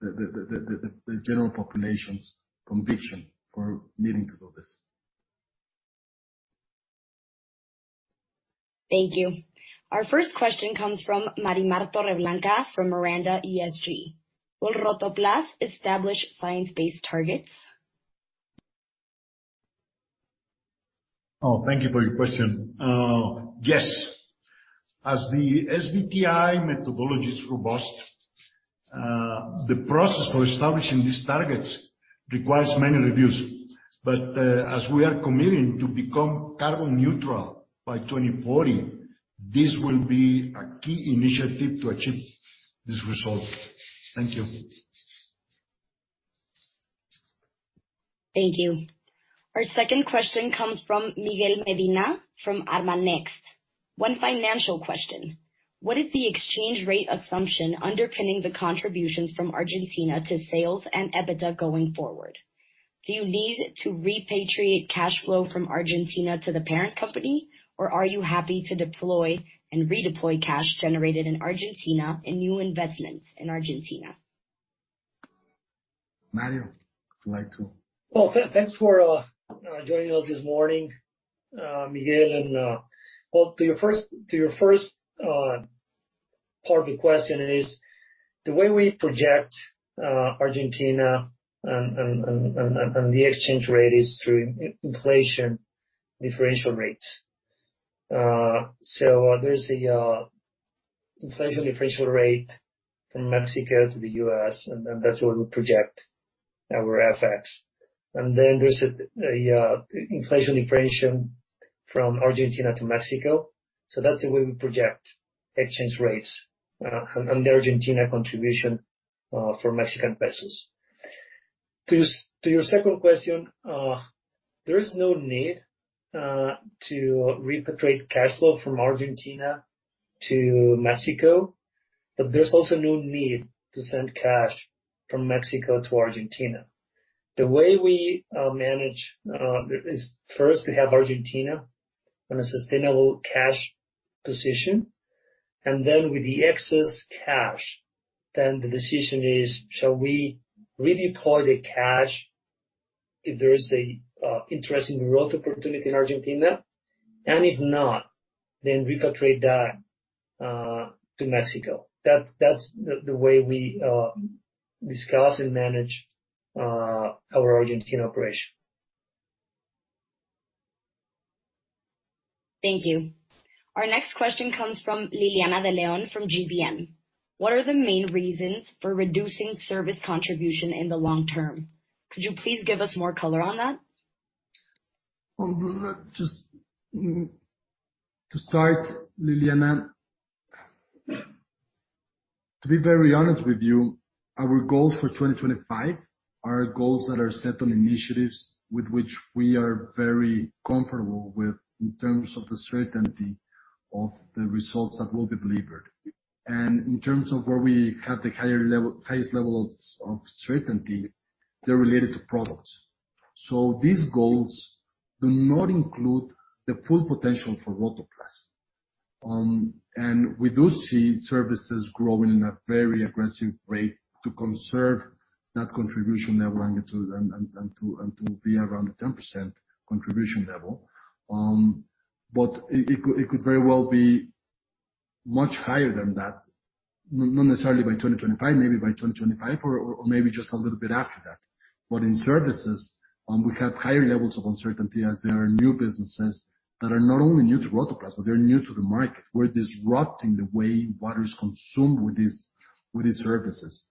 the general population's conviction for needing to do this. Thank you. Our first question comes from Marimar Torreblanca from Miranda ESG. Will Rotoplas establish science-based targets? Oh, thank you for your question. Yes. As the SBTi methodology is robust, the process for establishing these targets requires many reviews. As we are committing to become carbon neutral by 2040, this will be a key initiative to achieve this result. Thank you. Thank you. Our second question comes from Miguel Medina from ArmanexT. One financial question. What is the exchange rate assumption underpinning the contributions from Argentina to sales and EBITDA going forward? Do you need to repatriate cash flow from Argentina to the parent company, or are you happy to deploy and redeploy cash generated in Argentina in new investments in Argentina? Mario, if you'd like to. Well, thanks for joining us this morning, Miguel, and well, to your first part of the question is, the way we project Argentina and the exchange rate is through inflation differential rates. There's the inflation differential rate from Mexico to the U.S., and then that's where we project our FX. Then there's an inflation differential from Argentina to Mexico. That's the way we project exchange rates and the Argentina contribution for Mexican pesos. To your second question, there is no need to repatriate cash flow from Argentina to Mexico, but there's also no need to send cash from Mexico to Argentina. The way we manage is first to have Argentina in a sustainable cash position, and then with the excess cash, then the decision is shall we redeploy the cash if there is a interesting growth opportunity in Argentina? If not, then repatriate that to Mexico. That's the way we discuss and manage our Argentina operation. Thank you. Our next question comes from Liliana de León from GBM. What are the main reasons for reducing service contribution in the long term? Could you please give us more color on that? To start, Liliana, to be very honest with you, our goals for 2025 are goals that are set on initiatives with which we are very comfortable with in terms of the certainty of the results that will be delivered. In terms of where we have the highest level of certainty, they're related to products. These goals do not include the full potential for Rotoplas. We do see services growing in a very aggressive rate to conserve that contribution level and to be around the 10% contribution level. It could very well be much higher than that, not necessarily by 2025, maybe by 2025 or maybe just a little bit after that. In services, we have higher levels of uncertainty as there are new businesses that are not only new to Rotoplas, but they're new to the market. We're disrupting the way water is consumed with these services.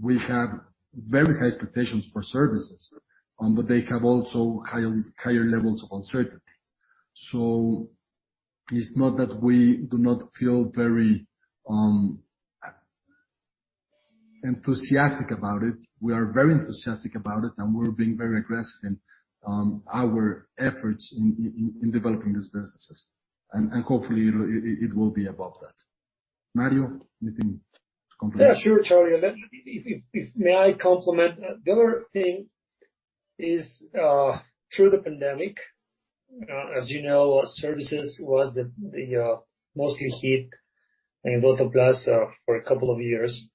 We have very high expectations for services, but they have also higher levels of uncertainty. It's not that we do not feel very enthusiastic about it. We are very enthusiastic about it, and we're being very aggressive in our efforts in developing these businesses. Hopefully it will be above that. Mario, anything to complement? Yeah, sure, Charlie. May I comment? The other thing is, through the pandemic, as you know, services was the most hit in Rotoplas, for a couple of years.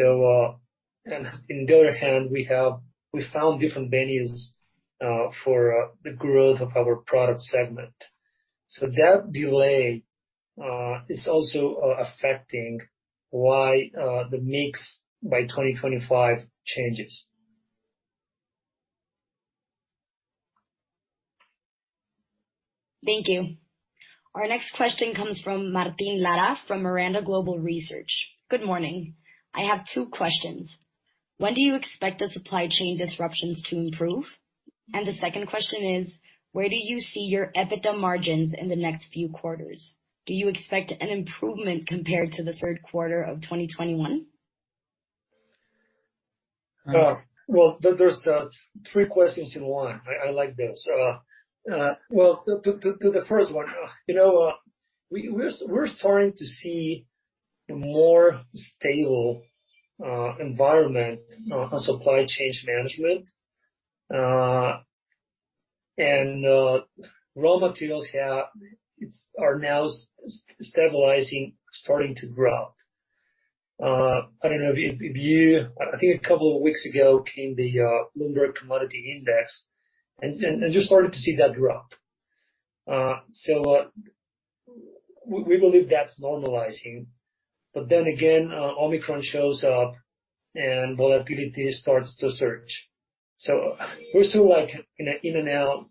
On the other hand, we found different venues for the growth of our product segment. That delay is also affecting why the mix by 2025 changes. Thank you. Our next question comes from Martín Lara from Miranda Global Research. Good morning. I have two questions. When do you expect the supply chain disruptions to improve? The second question is, where do you see your EBITDA margins in the next few quarters? Do you expect an improvement compared to the third quarter of 2021? Well, there's three questions in one. I like this. Well, to the first one, you know, we're starting to see a more stable environment on supply chain management, and raw materials are now stabilizing, starting to grow. I think a couple of weeks ago came the Bloomberg Commodity Index and you started to see that drop. We believe that's normalizing. Then again, Omicron shows up and volatility starts to surge. We're still like in an in-and-out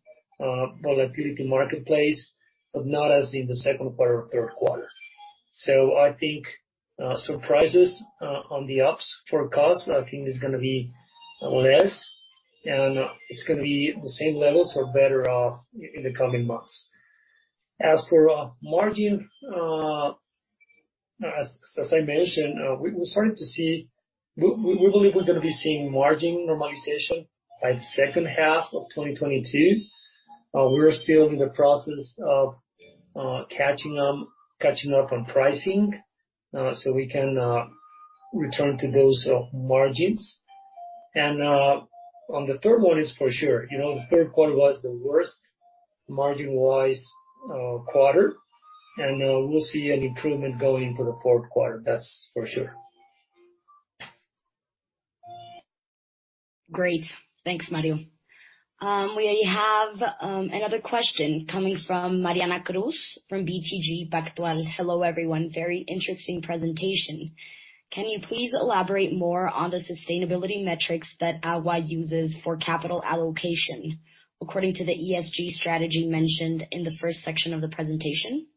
volatility marketplace, but not as in the second quarter or third quarter. I think surprises on the ups for cost. I think there's gonna be less, and it's gonna be the same levels or better off in the coming months. As for margin, as I mentioned, we're starting to see. We believe we're gonna be seeing margin normalization by the second half of 2022. We are still in the process of catching up on pricing, so we can return to those margins. On the third one, it's for sure. You know, the third quarter was the worst margin-wise quarter, and we'll see an improvement going into the fourth quarter, that's for sure. Great. Thanks, Mario. We have another question coming from Mariana Cruz from BTG Pactual. Hello, everyone. Very interesting presentation. Can you please elaborate more on the sustainability metrics that AGUA uses for capital allocation according to the ESG strategy mentioned in the first section of the presentation?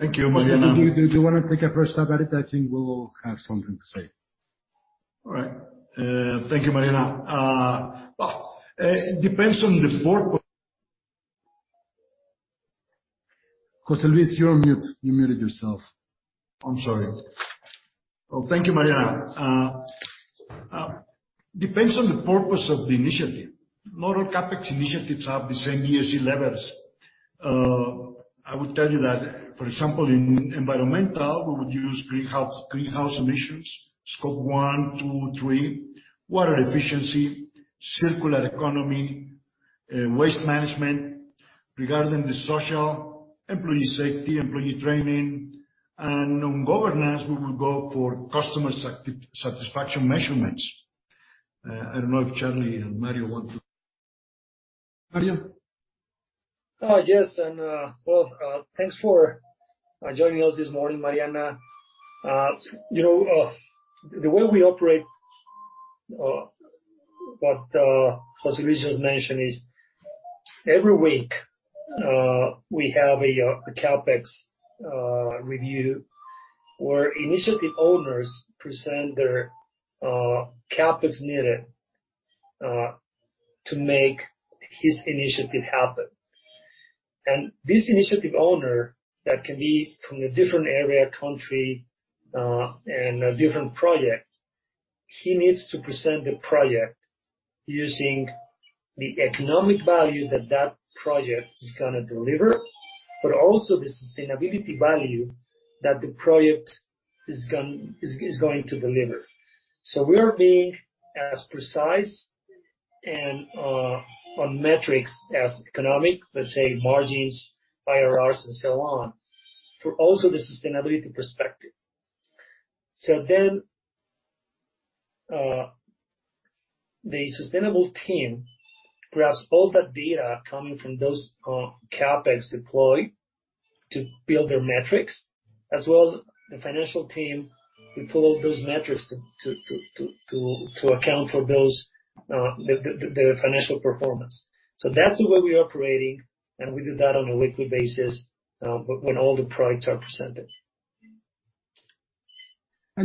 Thank you, Mariana. Do you wanna take a first stab at it? I think we'll have something to say. All right. Thank you, Mariana. Well, it depends on the four- José Luis, you're on mute. You muted yourself. I'm sorry. Well, thank you, Mariana. Depends on the purpose of the initiative. Not all CapEx initiatives have the same ESG levels. I would tell you that, for example, in environmental, we would use greenhouse emissions, Scope 1, 2, 3, water efficiency, circular economy, waste management. Regarding the social, employee safety, employee training. On governance, we will go for customer satisfaction measurements. I don't know if Charlie and Mario want to. Mario? Yes. Thanks for joining us this morning, Mariana. You know, the way we operate, what José Luis just mentioned is every week, we have a CapEx review where initiative owners present their CapEx needed to make his initiative happen. This initiative owner, that can be from a different area, country, and a different project, he needs to present the project using the economic value that that project is gonna deliver, but also the sustainability value that the project is going to deliver. We are being as precise and on metrics as economic, let's say margins, IRR, and so on, for also the sustainability perspective. The sustainable team grabs all that data coming from those CapEx deployed to build their metrics, as well the financial team, we pull those metrics to account for those, the financial performance. That's the way we're operating, and we do that on a weekly basis, when all the projects are presented.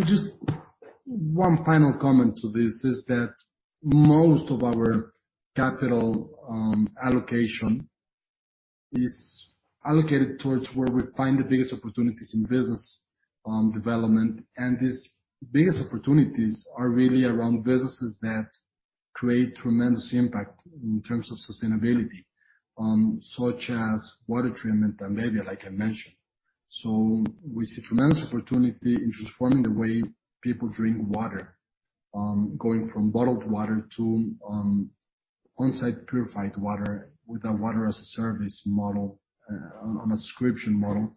Just one final comment to this is that most of our capital allocation is allocated towards where we find the biggest opportunities in business development. These biggest opportunities are really around businesses that create tremendous impact in terms of sustainability, such as water treatment and maybe like I mentioned. We see tremendous opportunity in transforming the way people drink water, going from bottled water to on-site purified water with a water as a service model on a subscription model.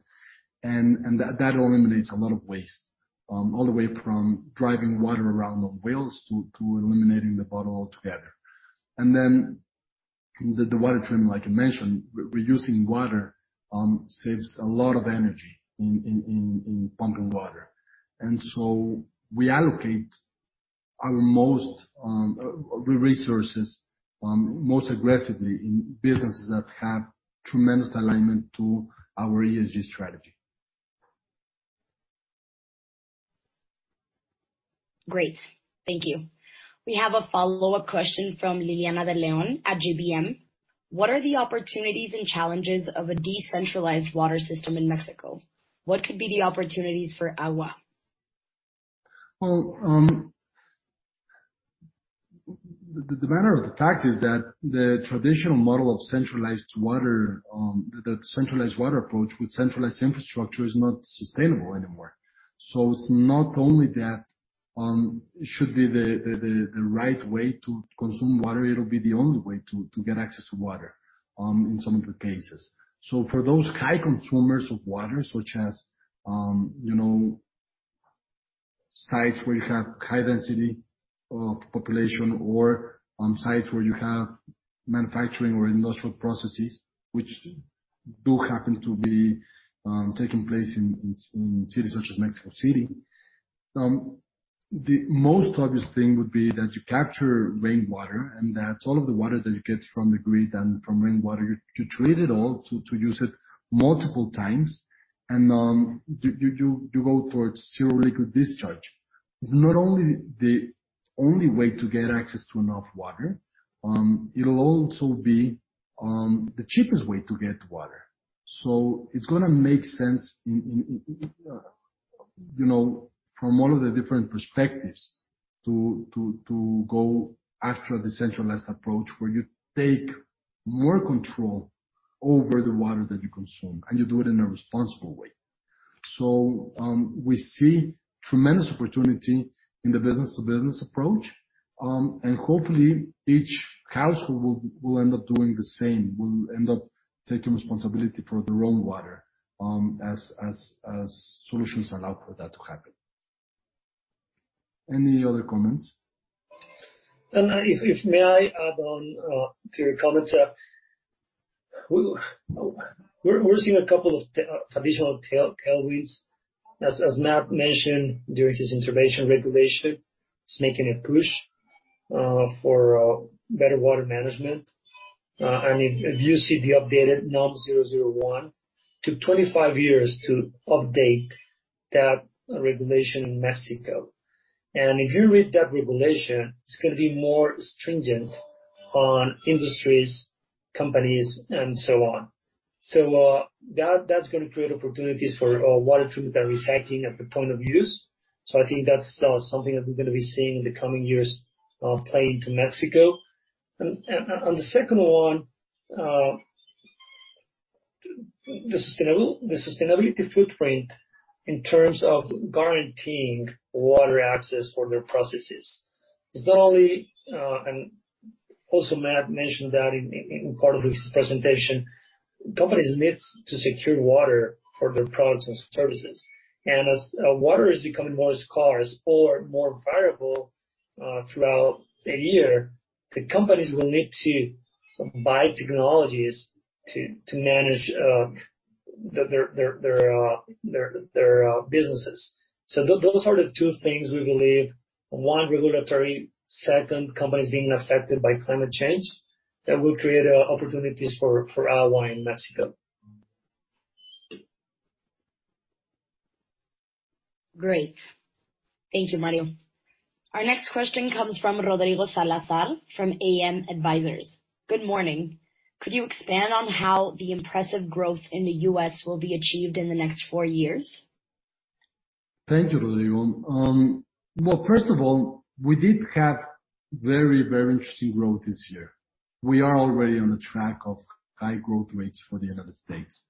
That eliminates a lot of waste all the way from driving water around the world to eliminating the bottle altogether. The water treatment, like I mentioned, reducing water saves a lot of energy in pumping water. We allocate our most resources most aggressively in businesses that have tremendous alignment to our ESG strategy. Great. Thank you. We have a follow-up question from Liliana de León at GBM. What are the opportunities and challenges of a decentralized water system in Mexico? What could be the opportunities for AGUA? Well, the matter of the fact is that the traditional model of centralized water, the centralized water approach with centralized infrastructure is not sustainable anymore. It's not only that should be the right way to consume water, it'll be the only way to get access to water in some of the cases. For those high consumers of water, such as, you know, sites where you have high density of population or sites where you have manufacturing or industrial processes, which do happen to be taking place in cities such as Mexico City. The most obvious thing would be that you capture rainwater, and that's all of the water that you get from the grid and from rainwater. You treat it all to use it multiple times. You go towards zero liquid discharge. It's not only the only way to get access to enough water, it'll also be the cheapest way to get water. It's gonna make sense in, you know, from all of the different perspectives to go after the centralized approach, where you take more control over the water that you consume, and you do it in a responsible way. We see tremendous opportunity in the business-to-business approach. Hopefully each household will end up doing the same, will end up taking responsibility for their own water, as solutions allow for that to happen. Any other comments? If I may add on to your comments, we're seeing a couple of traditional tailwinds. As Matt mentioned during his intervention, regulation is making a push for better water management. If you see the updated NOM-001, it took 25 years to update that regulation in Mexico. If you read that regulation, it's gonna be more stringent on industries, companies, and so on. That's gonna create opportunities for water treatment that is happening at the point of use. I think that's something that we're gonna be seeing in the coming years playing out in Mexico. On the second one, the sustainability footprint in terms of guaranteeing water access for their processes. It's not only and also Matt mentioned that in part of his presentation, companies needs to secure water for their products and services. As water is becoming more scarce or more variable throughout the year, the companies will need to buy technologies to manage their businesses. Those are the two things we believe, one, regulatory, second, companies being affected by climate change, that will create opportunities for us in Mexico. Great. Thank you, Mario. Our next question comes from Rodrigo Salazar from AM Advisors. Good morning. Could you expand on how the impressive growth in the U.S. will be achieved in the next four years? Thank you, Rodrigo. Well, first of all, we did have very interesting growth this year. We are already on the track of high growth rates for the United States.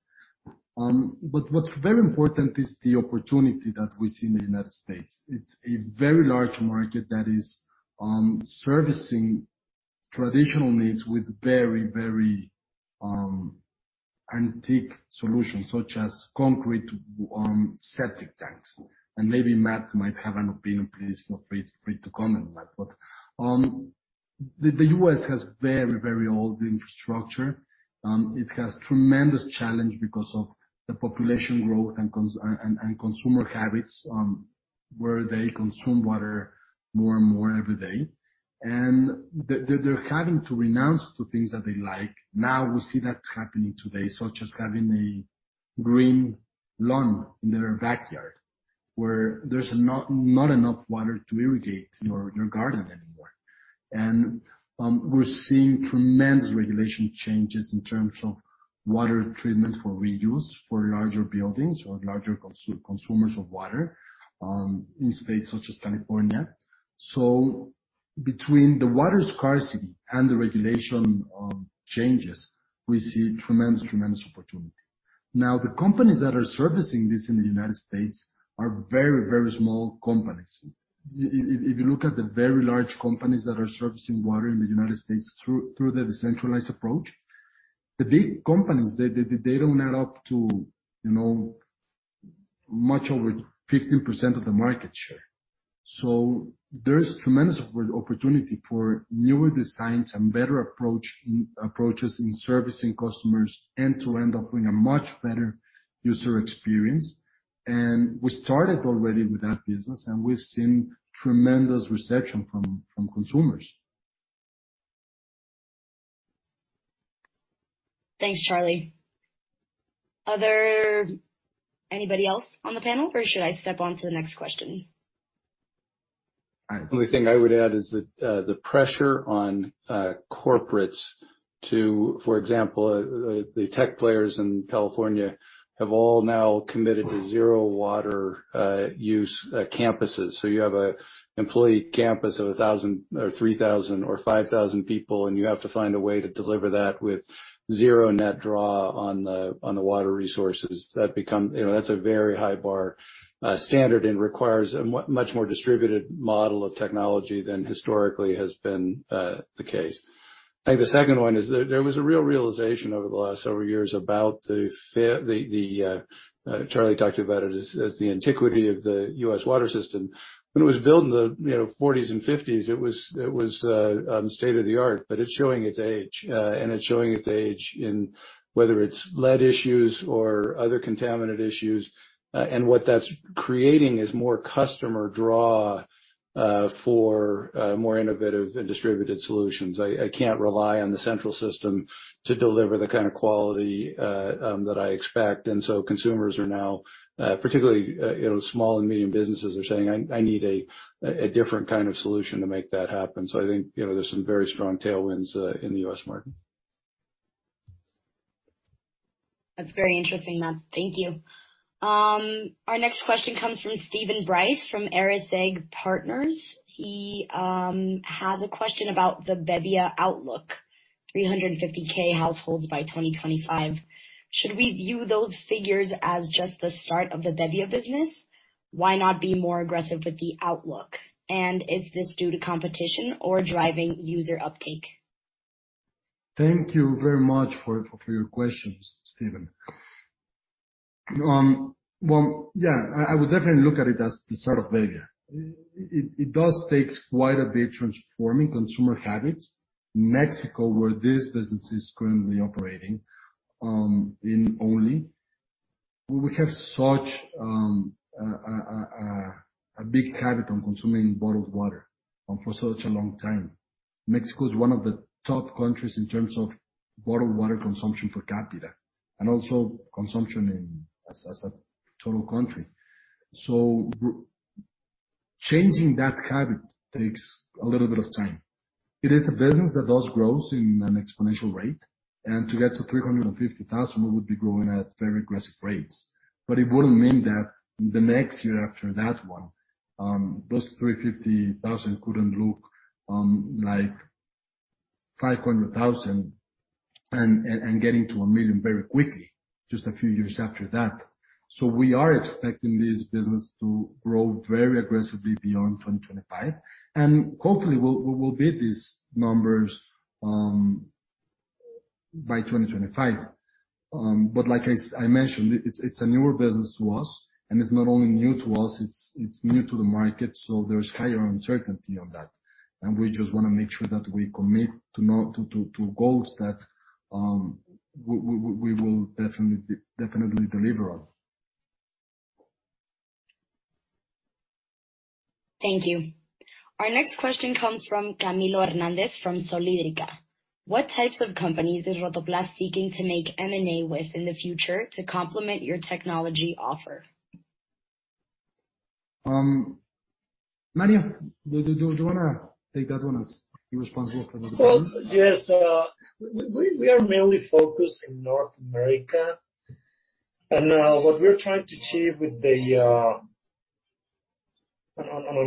What's very important is the opportunity that we see in the United States. It's a very large market that is servicing traditional needs with very antiquated solutions such as concrete septic tanks. Maybe Matt might have an opinion. Please feel free to comment, Matt. The U.S. has very old infrastructure. It has tremendous challenge because of the population growth and consumer habits where they consume water more and more every day. They're having to renounce to things that they like. Now we see that happening today, such as having a green lawn in their backyard, where there's not enough water to irrigate your garden anymore. We're seeing tremendous regulation changes in terms of water treatment for reuse for larger buildings or larger consumers of water, in states such as California. Between the water scarcity and the regulation changes, we see tremendous opportunity. Now, the companies that are servicing this in the United States are very small companies. If you look at the very large companies that are servicing water in the United States through the decentralized approach, the big companies, they don't add up to much over 15% of the market share. There's tremendous opportunity for newer designs and better approaches in servicing customers and to end up with a much better user experience. We started already with that business, and we've seen tremendous reception from consumers. Thanks, Charlie. Anybody else on the panel, or should I step on to the next question? The only thing I would add is the pressure on corporates to, for example, the tech players in California have all now committed to zero water use campuses. So you have an employee campus of 1,000, or 3,000 or 5,000 people, and you have to find a way to deliver that with zero net draw on the water resources. That becomes. You know, that's a very high bar standard and requires a much more distributed model of technology than historically has been the case. I think the second one is there was a real realization over the last several years about the fact that Charlie talked about it as the antiquity of the U.S. water system. When it was built in the you know forties and fifties, it was state-of-the-art, but it's showing its age. It's showing its age in whether it's lead issues or other contaminant issues. What that's creating is more customer draw for more innovative and distributed solutions. I can't rely on the central system to deliver the kind of quality that I expect. Consumers are now particularly you know small and medium businesses are saying, "I need a different kind of solution to make that happen." I think you know there's some very strong tailwinds in the U.S. market. That's very interesting, Matt. Thank you. Our next question comes from Steven Bryce from Ares ESG Partners. He has a question about the bebbia outlook, 350K households by 2025. Should we view those figures as just the start of the bebbia business? Why not be more aggressive with the outlook? Is this due to competition or driving user uptake? Thank you very much for your questions, Steven. Well, yeah, I would definitely look at it as the start of bebbia. It does takes quite a bit transforming consumer habits. Mexico, where this business is currently operating, indeed we have such a big habit on consuming bottled water for such a long time. Mexico is one of the top countries in terms of bottled water consumption per capita, and also consumption as a total country. Changing that habit takes a little bit of time. It is a business that does grows in an exponential rate, and to get to 350,000, we would be growing at very aggressive rates. It wouldn't mean that the next year after that one, those 350,000 couldn't look like 500,000 and getting to a million very quickly, just a few years after that. We are expecting this business to grow very aggressively beyond 2025. Hopefully we'll beat these numbers by 2025. But like I mentioned, it's a newer business to us, and it's not only new to us, it's new to the market, so there's higher uncertainty on that. We just wanna make sure that we commit to not to goals that we will definitely deliver on. Thank you. Our next question comes from Camilo Hernández from Solhidrica. What types of companies is Rotoplas seeking to make M&A with in the future to complement your technology offer? Mario, do you wanna take that one as you're responsible for the Well, yes. We are mainly focused in North America, and what we're trying to achieve with an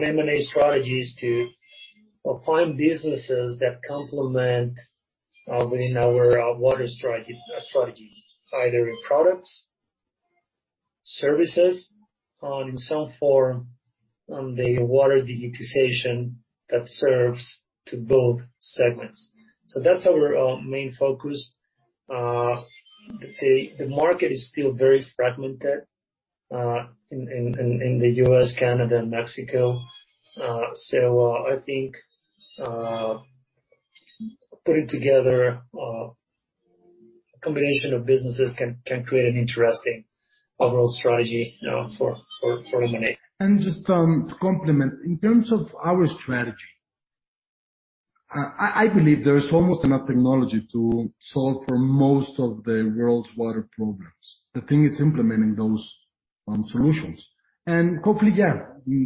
M&A strategy is to find businesses that complement within our water strategy, either in products, services, or in some form the water digitalization that serves to both segments. That's our main focus. The market is still very fragmented in the U.S., Canada, and Mexico. I think putting together a combination of businesses can create an interesting overall strategy, you know, for M&A. Just to complement. In terms of our strategy, I believe there is almost enough technology to solve for most of the world's water problems. The thing is implementing those solutions. Hopefully,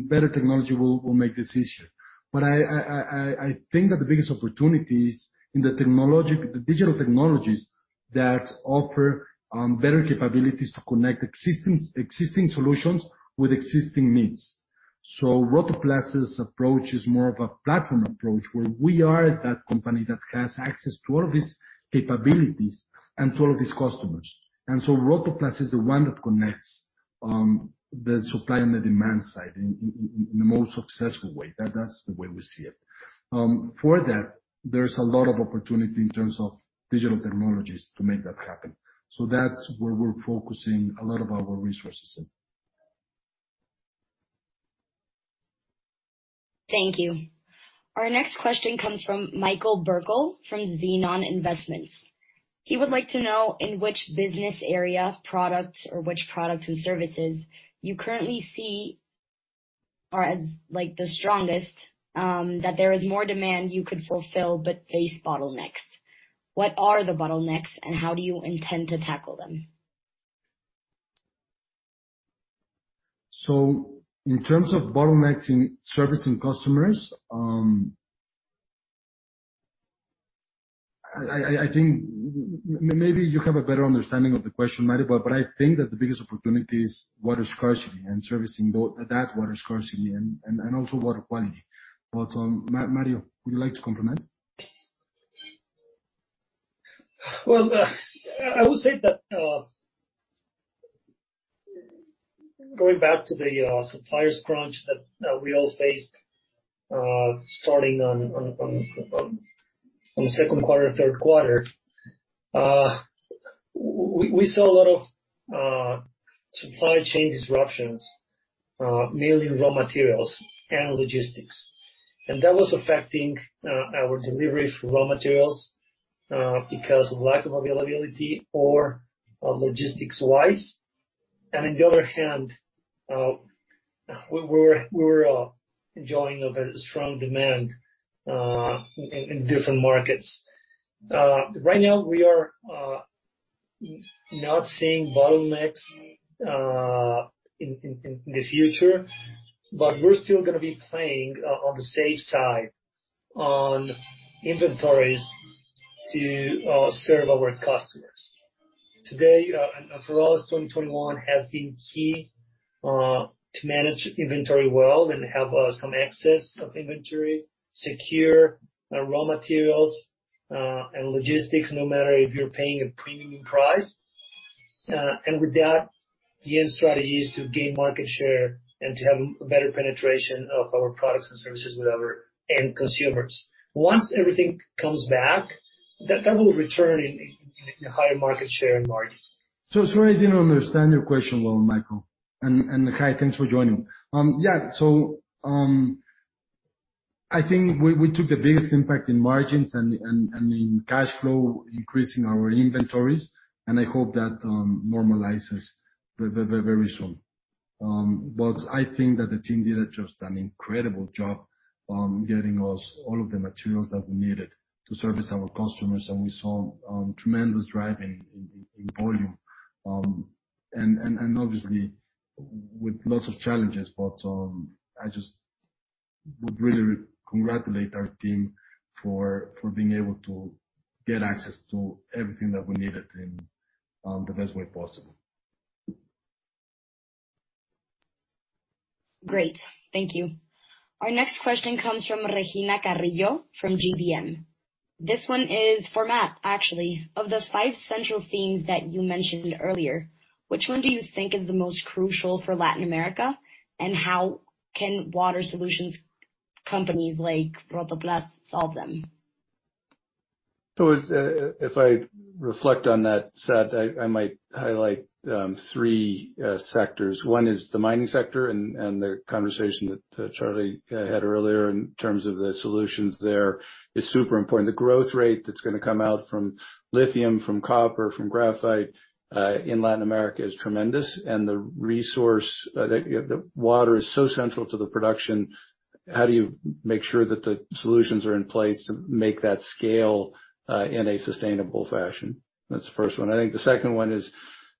better technology will make this easier. I think that the biggest opportunity is in the digital technologies that offer better capabilities to connect existing solutions with existing needs. Rotoplas' approach is more of a platform approach, where we are that company that has access to all of these capabilities and to all of these customers. Rotoplas is the one that connects the supply and the demand side in a more successful way. That's the way we see it. For that, there's a lot of opportunity in terms of digital technologies to make that happen. That's where we're focusing a lot of our resources in. Thank you. Our next question comes from Michael Burkle from Zenon Investments. He would like to know in which business area, product or which products and services you currently see areas as, like, the strongest, that there is more demand you could fulfill but face bottlenecks. What are the bottlenecks, and how do you intend to tackle them? In terms of bottlenecks in servicing customers, I think maybe you have a better understanding of the question, Maribel, but I think that the biggest opportunity is water scarcity and servicing both that water scarcity and also water quality. Mario, would you like to complement? I would say that going back to the suppliers crunch that we all faced starting on second quarter, third quarter. We saw a lot of supply chain disruptions mainly in raw materials and logistics. That was affecting our delivery for raw materials because of lack of availability or logistics wise. On the other hand, we're enjoying of a strong demand in different markets. Right now we are not seeing bottlenecks in the future, but we're still gonna be playing on the safe side on inventories to serve our customers. Today for all of 2021 has been key to manage inventory well and have some excess of inventory, secure our raw materials and logistics, no matter if you're paying a premium price. With that, the end strategy is to gain market share and to have a better penetration of our products and services with our end consumers. Once everything comes back, that will return in higher market share and margins. Sorry, I didn't understand your question well, Michael. Hi, thanks for joining. Yeah. I think we took the biggest impact in margins and in cash flow increase in our inventories, and I hope that normalizes very soon. But I think that the team did just an incredible job on getting us all of the materials that we needed to service our customers. We saw tremendous drive in volume. Obviously with lots of challenges, but I just would really congratulate our team for being able to get access to everything that we needed in the best way possible. Great. Thank you. Our next question comes from Regina Carrillo from GBM. This one is for Matt, actually. Of the five central themes that you mentioned earlier, which one do you think is the most crucial for Latin America? And how can water solutions companies like Rotoplas solve them? If I reflect on that said, I might highlight three sectors. One is the mining sector and the conversation that Charlie had earlier in terms of the solutions there is super important. The growth rate that's gonna come out from lithium, from copper, from graphite in Latin America is tremendous. The resource, the water is so central to the production. How do you make sure that the solutions are in place to make that scale in a sustainable fashion? That's the first one. I think the second one is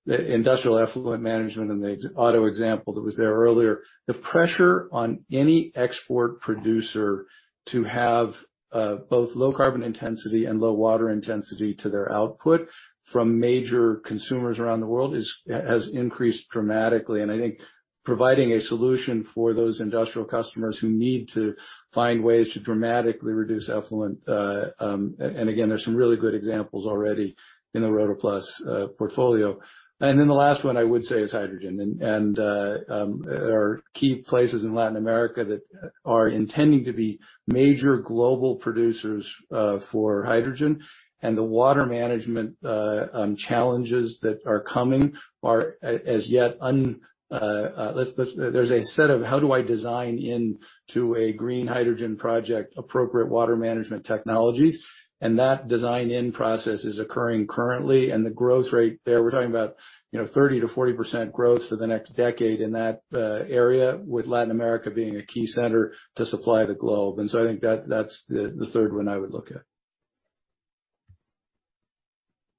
the industrial effluent management and the ex-auto example that was there earlier. The pressure on any export producer to have both low carbon intensity and low water intensity to their output from major consumers around the world has increased dramatically. I think providing a solution for those industrial customers who need to find ways to dramatically reduce effluent, and again, there's some really good examples already in the Rotoplas portfolio. The last one I would say is hydrogen. There are key places in Latin America that are intending to be major global producers for hydrogen. The water management challenges that are coming are as yet un. There's a set of how do I design into a green hydrogen project appropriate water management technologies, and that design-in process is occurring currently. The growth rate there, we're talking about, you know, 30%-40% growth for the next decade in that area, with Latin America being a key center to supply the globe. I think that's the third one I would look at.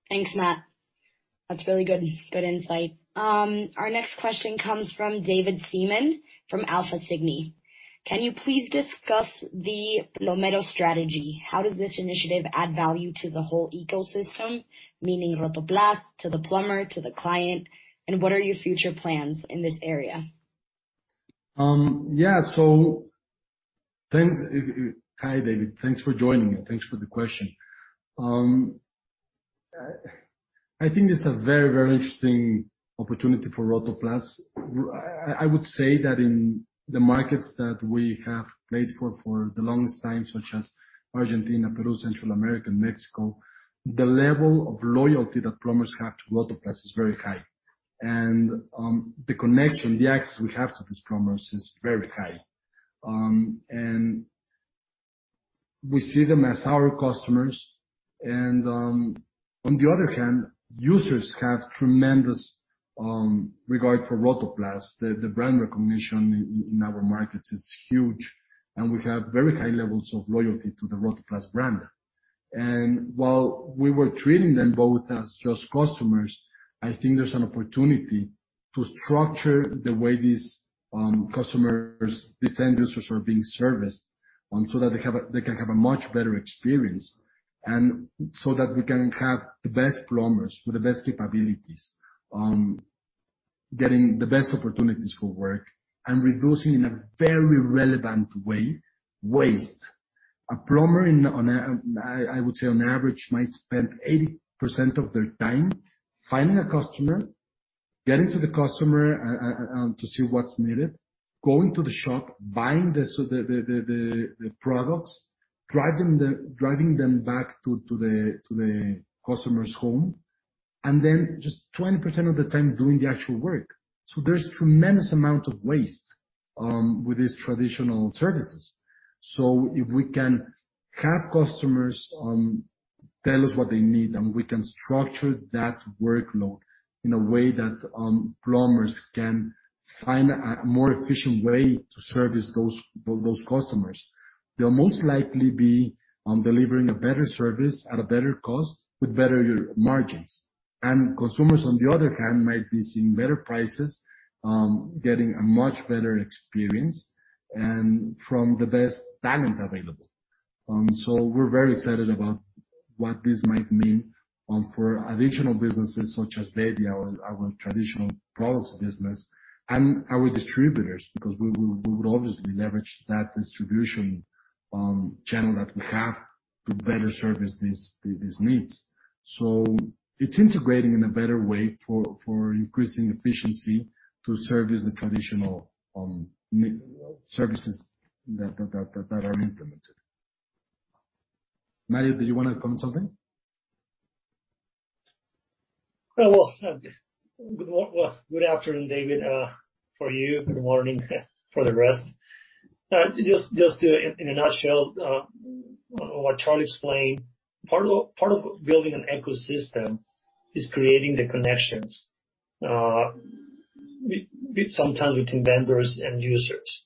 Thanks, Matt. That's really good insight. Our next question comes from David Seaman from Alpha Cygni. Can you please discuss the Plomero strategy? How does this initiative add value to the whole ecosystem, meaning Rotoplas to the plumber, to the client, and what are your future plans in this area? Thanks. Hi, David. Thanks for joining me. Thanks for the question. I would say that in the markets that we have played for the longest time, such as Argentina, Peru, Central America, and Mexico, the level of loyalty that plumbers have to Rotoplas is very high. The connection, the access we have to these plumbers is very high. We see them as our customers. On the other hand, users have tremendous regard for Rotoplas. The brand recognition in our markets is huge, and we have very high levels of loyalty to the Rotoplas brand. While we were treating them both as just customers, I think there's an opportunity to structure the way these customers, these end users are being serviced, so that they can have a much better experience, and so that we can have the best plumbers with the best capabilities, getting the best opportunities for work and reducing, in a very relevant way, waste. I would say on average, a plumber might spend 80% of their time finding a customer, getting to the customer, to see what's needed, going to the shop, buying the products, driving them back to the customer's home, and then just 20% of the time doing the actual work. There's a tremendous amount of waste with these traditional services. If we can have customers tell us what they need, and we can structure that workload in a way that plumbers can find a more efficient way to service those customers, they'll most likely be delivering a better service at a better cost with better margins. Consumers, on the other hand, might be seeing better prices, getting a much better experience, and from the best talent available. We're very excited about what this might mean for additional businesses such as bebbia, our traditional products business, and our distributors. Because we would obviously leverage that distribution channel that we have to better service these needs. It's integrating in a better way for increasing efficiency to service the traditional services that are implemented. Mario, did you wanna comment something? Well, good afternoon, David, for you. Good morning for the rest. Just in a nutshell, what Charlie explained, part of building an ecosystem is creating the connections, sometimes between vendors and users.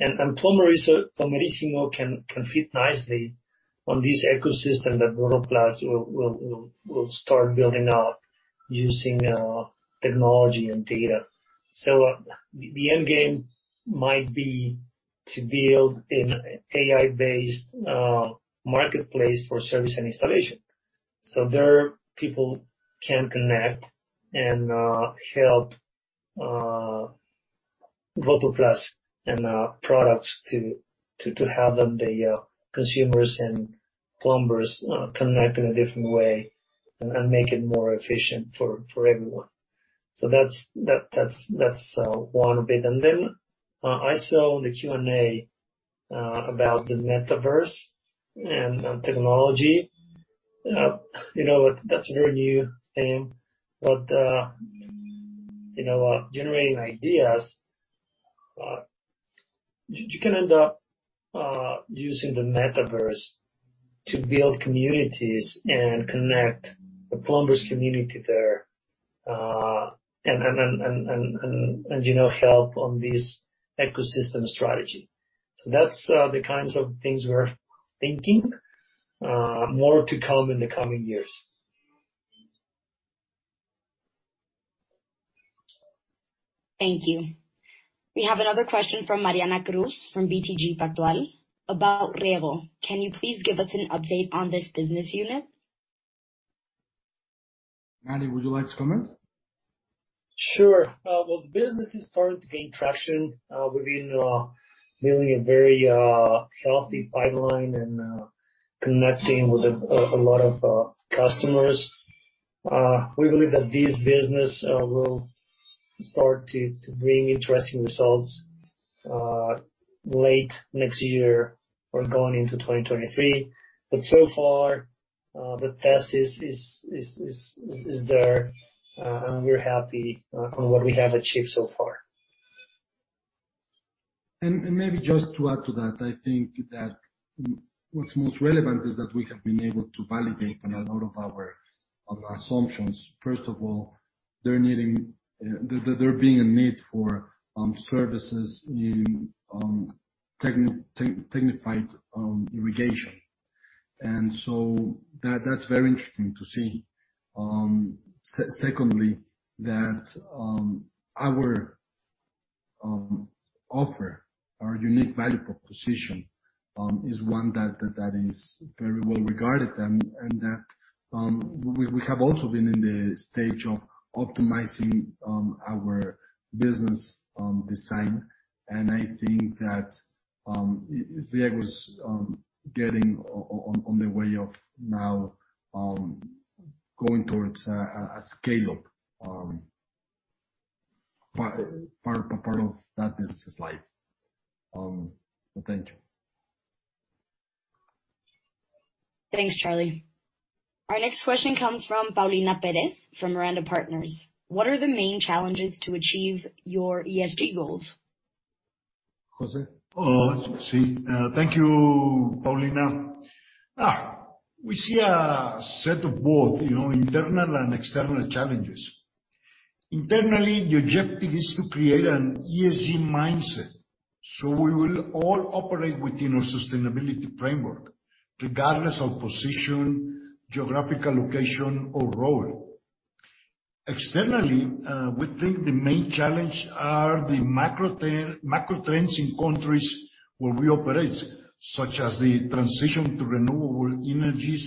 Plomerísimo can fit nicely on this ecosystem that Rotoplas will start building up using technology and data. The endgame might be to build an AI-based marketplace for service and installation, so their people can connect and help Rotoplas and products to help them, the consumers and plumbers connect in a different way and make it more efficient for everyone. That's one bit. I saw the Q&A about the Metaverse and technology. You know, that's a very new thing, but you know, generating ideas, you can end up using the Metaverse to build communities and connect the plumbers community there, and you know, help on this ecosystem strategy. That's the kinds of things we're thinking. More to come in the coming years. Thank you. We have another question from Mariana Cruz from BTG Pactual about rieggo. Can you please give us an update on this business unit? Mario, would you like to comment? Sure. Well, the business is starting to gain traction. We've been building a very healthy pipeline and connecting with a lot of customers. We believe that this business will start to bring interesting results late next year or going into 2023. So far, the test is there, and we're happy on what we have achieved so far. Maybe just to add to that, I think that what's most relevant is that we have been able to validate on a lot of our assumptions. First of all, there being a need for services needing technified irrigation. That's very interesting to see. Secondly, that our offer, our unique value proposition, is one that is very well-regarded and that we have also been in the stage of optimizing our business design. I think that rieggo's getting on the way of now going towards a scale-up part of that business life. But thank you. Thanks, Charlie. Our next question comes from Paulina Perez from Miranda Partners. What are the main challenges to achieve your ESG goals? Jose? Thank you, Paulina. We see a set of both, you know, internal and external challenges. Internally, the objective is to create an ESG mindset, so we will all operate within our sustainability framework regardless of position, geographical location or role. Externally, we think the main challenge are the macro trends in countries where we operate, such as the transition to renewable energies,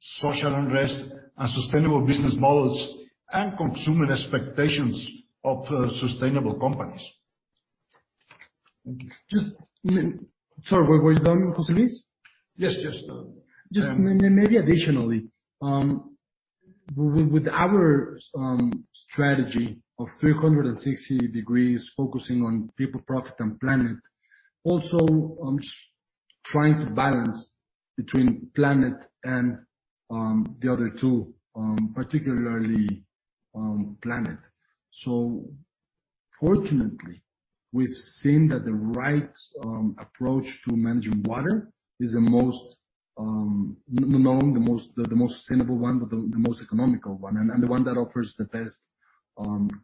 social unrest, and sustainable business models and consumer expectations of sustainable companies. Sorry, were you done, José Luis? Yes, just done. Just maybe additionally, with our strategy of 360 degrees focusing on people, profit and planet also, trying to balance between planet and the other two, particularly planet. Fortunately, we've seen that the right approach to managing water is the most known, the most sustainable one, but the most economical one, and the one that offers the best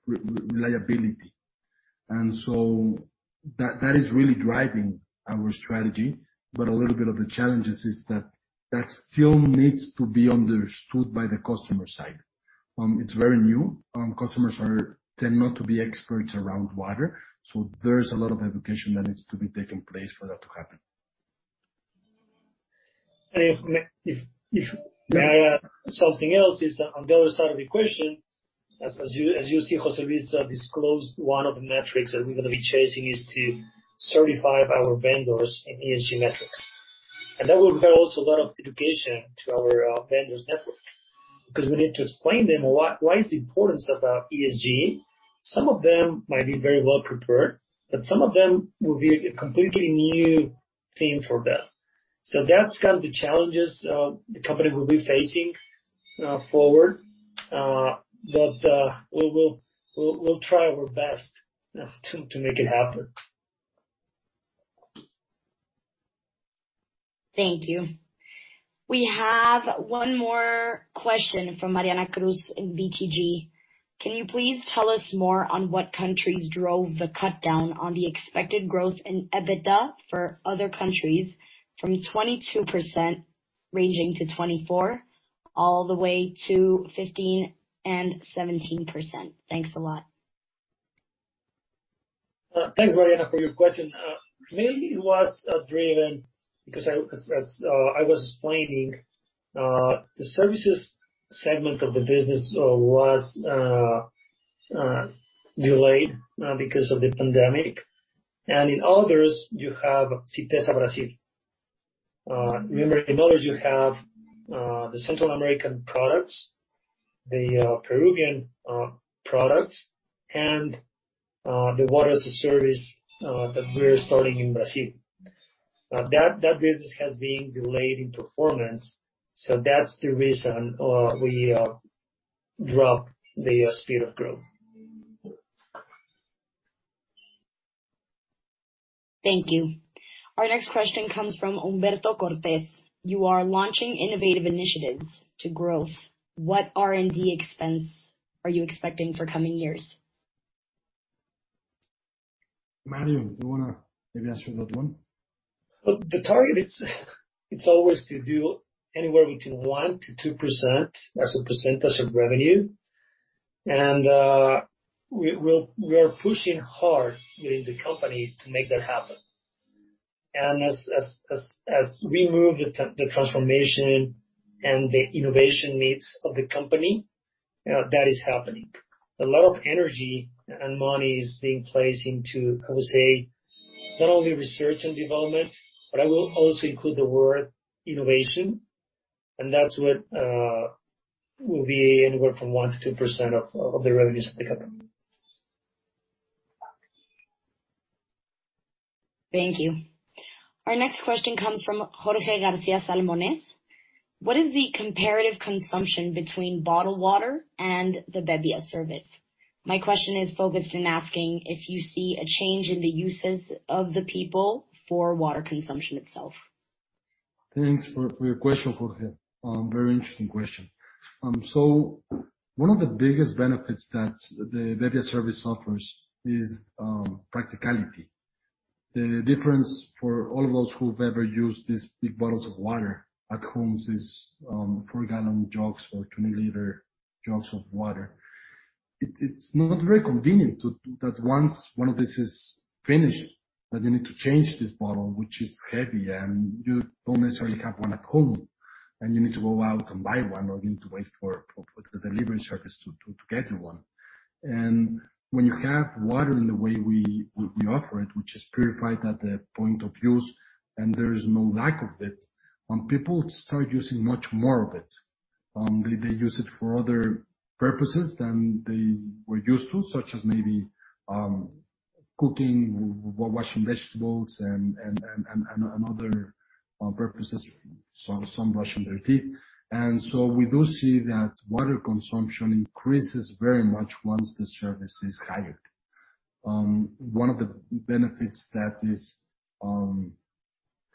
reliability. That is really driving our strategy. A little bit of the challenges is that that still needs to be understood by the customer side. It's very new. Customers tend not to be experts around water, so there is a lot of education that needs to be taking place for that to happen. If I may add, something else is on the other side of the equation, as you see, José Luis disclosed one of the metrics that we're gonna be chasing is to certify our vendors in ESG metrics. That will require also a lot of education to our vendors network, because we need to explain to them why is the importance of ESG. Some of them might be very well prepared, but some of them will be a completely new thing for them. That's kind of the challenges the company will be facing forward. We'll try our best to make it happen. Thank you. We have one more question from Mariana Cruz in BTG. Can you please tell us more on what countries drove the cut down on the expected growth in EBITDA for other countries from 22% ranging to 24%, all the way to 15% and 17%? Thanks a lot. Thanks, Mariana, for your question. Mainly it was driven because as I was explaining, the services segment of the business was delayed because of the pandemic. In others you have SYTESA Brazil. Remember, in others you have the Central American products, the Peruvian products and the water as a service that we are starting in Brazil. That business has been delayed in performance. That's the reason we dropped the speed of growth. Thank you. Our next question comes from Humberto Cortés. You are launching innovative initiatives to growth. What R&D expense are you expecting for coming years? Mario, do you wanna maybe answer that one? The target is always to do anywhere between 1%-2% as a percentage of revenue. We are pushing hard within the company to make that happen. As we move the transformation and the innovation needs of the company, that is happening. A lot of energy and money is being placed into, I would say, not only research and development, but I will also include the word innovation. That's what will be anywhere from 1%-2% of the revenues of the company. Thank you. Our next question comes from Jorge García Salmones. What is the comparative consumption between bottled water and the bebbia service? My question is focused in asking if you see a change in the uses of the people for water consumption itself. Thanks for your question, Jorge. Very interesting question. So one of the biggest benefits that the bebbia service offers is practicality. The difference for all of us who've ever used these big bottles of water at homes is four-gallon jugs or 20-liter jugs of water. It's not very convenient that once one of this is finished, that you need to change this bottle, which is heavy, and you don't necessarily have one at home, and you need to go out and buy one, or you need to wait for the delivery service to get you one. When you have water in the way we offer it, which is purified at the point of use, and there is no lack of it, people start using much more of it. They use it for other purposes than they were used to, such as maybe cooking, washing vegetables, brushing their teeth, and other purposes. We do see that water consumption increases very much once the service is hired. One of the benefits that is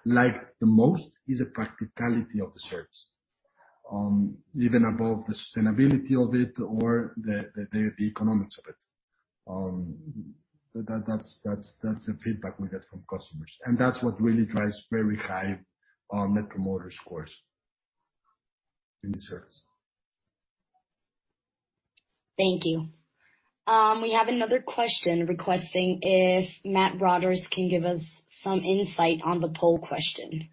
like the most is the practicality of the service, even above the sustainability of it or the economics of it. That's the feedback we get from customers, and that's what really drives very high Net Promoter Scores in the service. Thank you. We have another question requesting if Matt Rogers can give us some insight on the poll question.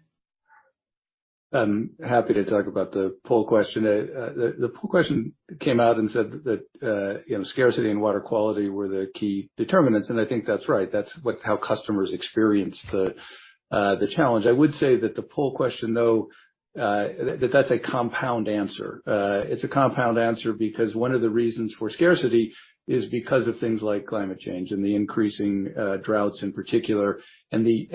I'm happy to talk about the poll question. The poll question came out and said that, you know, scarcity and water quality were the key determinants, and I think that's right. That's how customers experience the challenge. I would say that the poll question, though, that's a compound answer. It's a compound answer because one of the reasons for scarcity is because of things like climate change and the increasing droughts in particular, and the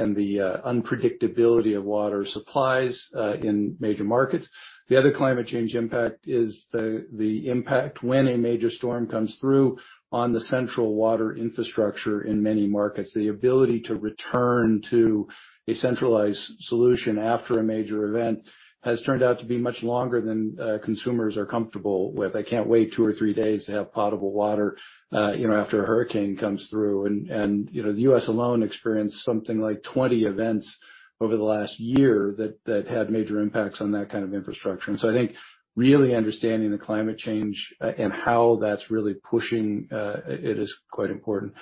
unpredictability of water supplies in major markets. The other climate change impact is the impact when a major storm comes through on the central water infrastructure in many markets. The ability to return to a centralized solution after a major event has turned out to be much longer than consumers are comfortable with. They can't wait two or three days to have potable water after a hurricane comes through. The U.S. alone experienced something like 20 events over the last year that had major impacts on that kind of infrastructure. I think really understanding the climate change and how that's really pushing it is quite important.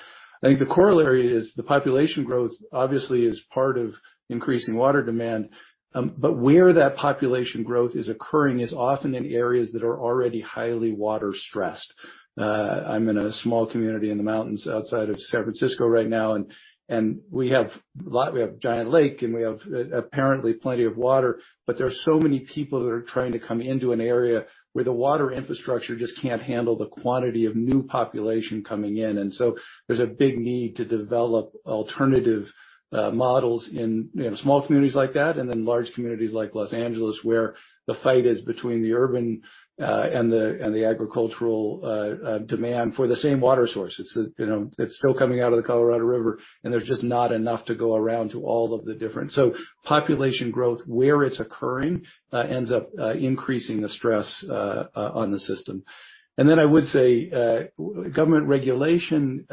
I think the corollary is the population growth obviously is part of increasing water demand, but where that population growth is occurring is often in areas that are already highly water stressed. I'm in a small community in the mountains outside of San Francisco right now, and we have a giant lake, and we have apparently plenty of water, but there are so many people that are trying to come into an area where the water infrastructure just can't handle the quantity of new population coming in. There's a big need to develop alternative models in, you know, small communities like that, and then large communities like Los Angeles, where the fight is between the urban and the agricultural demand for the same water sources. You know, it's still coming out of the Colorado River, and there's just not enough to go around to all of the different stakeholders. Population growth, where it's occurring, ends up increasing the stress on the system. I would say government regulation,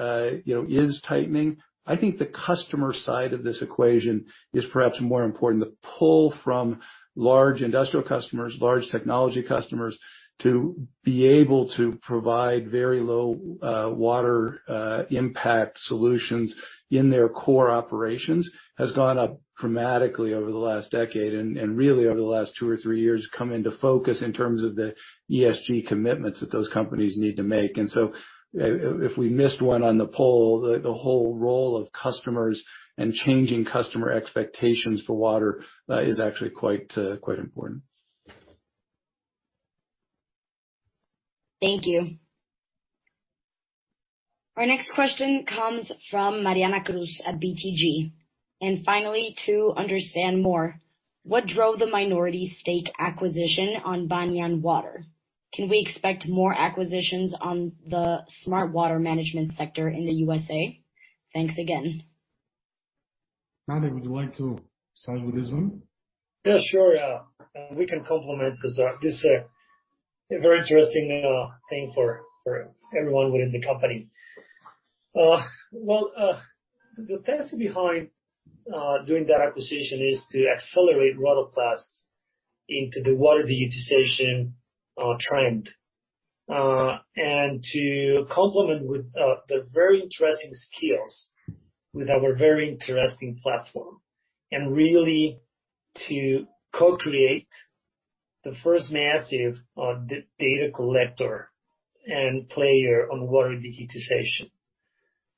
you know, is tightening. I think the customer side of this equation is perhaps more important. The pull from large industrial customers, large technology customers to be able to provide very low water impact solutions in their core operations has gone up dramatically over the last decade and really over the last two or three years come into focus in terms of the ESG commitments that those companies need to make. If we missed one on the pull, the whole role of customers and changing customer expectations for water is actually quite important. Thank you. Our next question comes from Mariana Cruz at BTG. Finally, to understand more, what drove the minority stake acquisition in Banyan Water? Can we expect more acquisitions on the smart water management sector in the USA? Thanks again. Nando, would you like to start with this one? Yeah, sure. We can complement this, a very interesting thing for everyone within the company. The thought behind doing that acquisition is to accelerate Rotoplas into the water digitization trend. To complement with the very interesting skills with our very interesting platform, and really to co-create the first massive data collector and player on water digitization.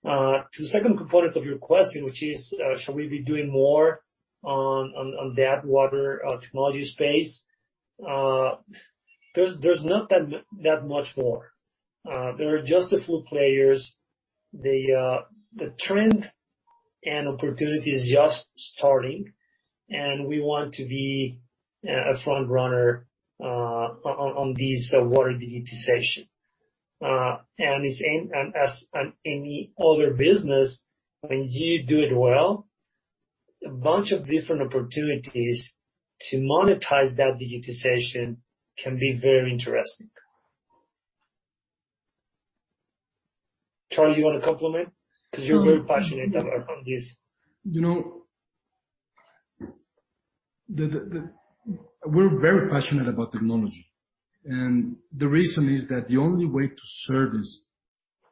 To the second component of your question, which is, should we be doing more on that water technology space? There's not that much more. There are just a few players. The trend and opportunity is just starting, and we want to be a front runner on this water digitization. The same as any other business, when you do it well, a bunch of different opportunities to monetize that digitization can be very interesting. Charlie, you wanna comment? 'Cause you're very passionate about on this. You know, we're very passionate about technology, and the reason is that the only way to service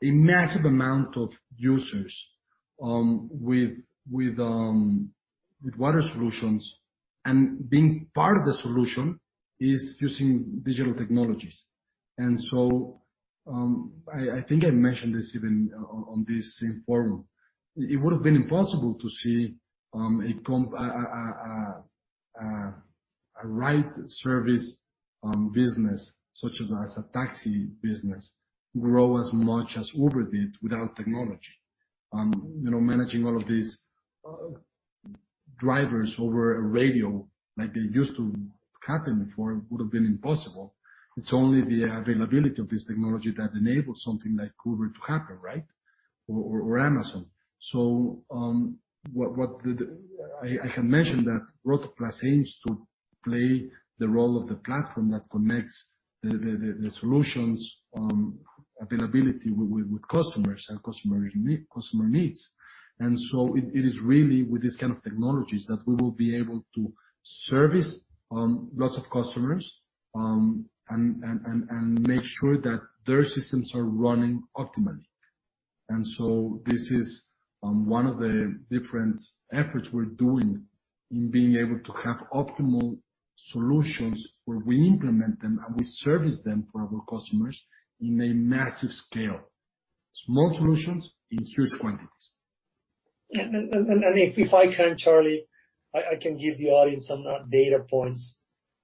a massive amount of users with water solutions and being part of the solution is using digital technologies. I think I mentioned this even on this same forum. It would've been impossible to see a ride service business such as a taxi business grow as much as Uber did without technology. You know, managing all of these drivers over a radio like it used to happen before would have been impossible. It's only the availability of this technology that enables something like Uber to happen, right? Or Amazon. I can mention that Rotoplas aims to play the role of the platform that connects the solutions availability with customers and customer needs. It is really with these kind of technologies that we will be able to service lots of customers and make sure that their systems are running optimally. This is one of the different efforts we're doing in being able to have optimal solutions where we implement them and we service them for our customers in a massive scale. Small solutions in huge quantities. If I can, Charlie, I can give the audience some data points,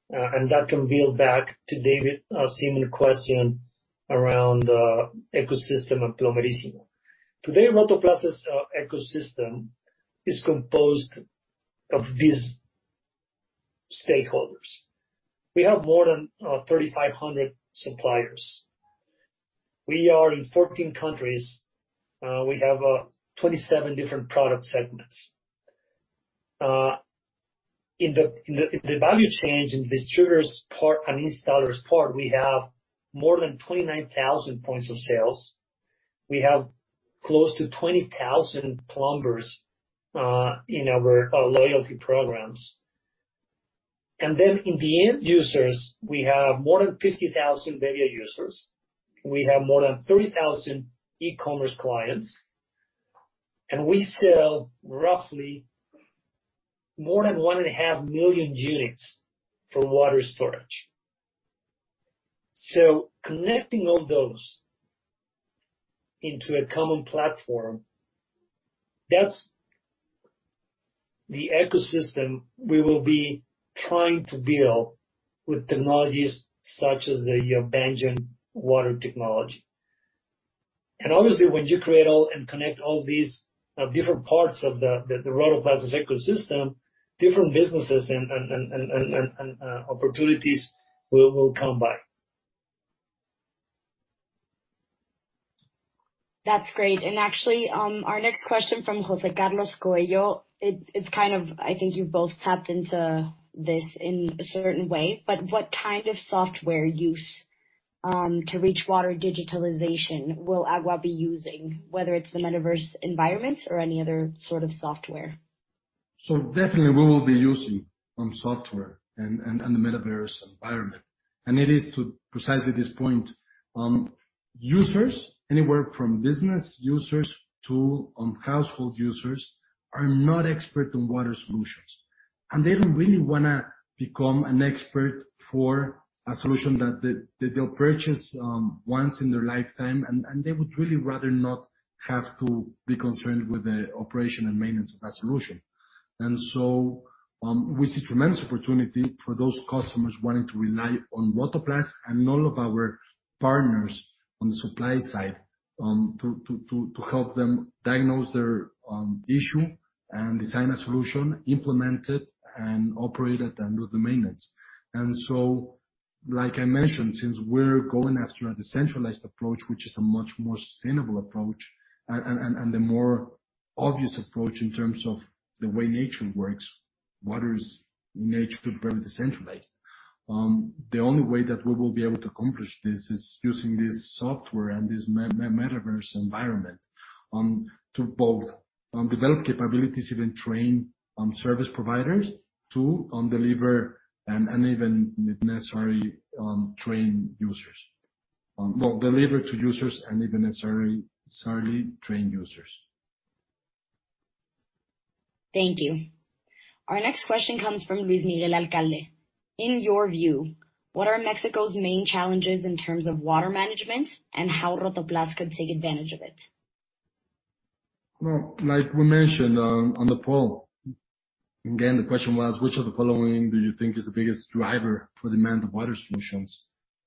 and that can build back to David, similar question around ecosystem and Plomerísimo. Today, Rotoplas' ecosystem is composed of these stakeholders. We have more than 3,500 suppliers. We are in 14 countries. We have 27 different product segments. In the value chains, in distributors' part and installers' part, we have more than 29,000 points of sales. We have close to 20,000 plumbers in our loyalty programs. Then in the end users, we have more than 50,000 bebbia users. We have more than 30,000 e-commerce clients, and we sell roughly more than 1.5 million units for water storage. Connecting all those into a common platform, that's the ecosystem we will be trying to build with technologies such as the Banyan Water technology. Obviously, when you create and connect all these different parts of the Rotoplas' ecosystem, different businesses and opportunities will come by. That's great. Actually, our next question from José Carlos Coello. It's kind of, I think you both tapped into this in a certain way, but what kind of software use to reach water digitalization will AGUA be using, whether it's the metaverse environment or any other sort of software? Definitely we will be using software and the metaverse environment. It is to precisely this point, users, anywhere from business users to household users, are not expert in water solutions. They don't really wanna become an expert for a solution that they'll purchase once in their lifetime. They would really rather not have to be concerned with the operation and maintenance of that solution. We see tremendous opportunity for those customers wanting to rely on Rotoplas and all of our partners on the supply side to help them diagnose their issue and design a solution, implement it and operate it and do the maintenance. Like I mentioned, since we're going after a decentralized approach, which is a much more sustainable approach and the more obvious approach in terms of the way nature works, water is nature very decentralized. The only way that we will be able to accomplish this is using this software and this metaverse environment to both develop capabilities, even train service providers to deliver and even if necessary train users. Well, deliver to users and if necessary, certainly train users. Thank you. Our next question comes from Luis Miguel Alcalde. In your view, what are Mexico's main challenges in terms of water management and how Rotoplas could take advantage of it? Well, like we mentioned, on the poll, again, the question was which of the following do you think is the biggest driver for demand of water solutions?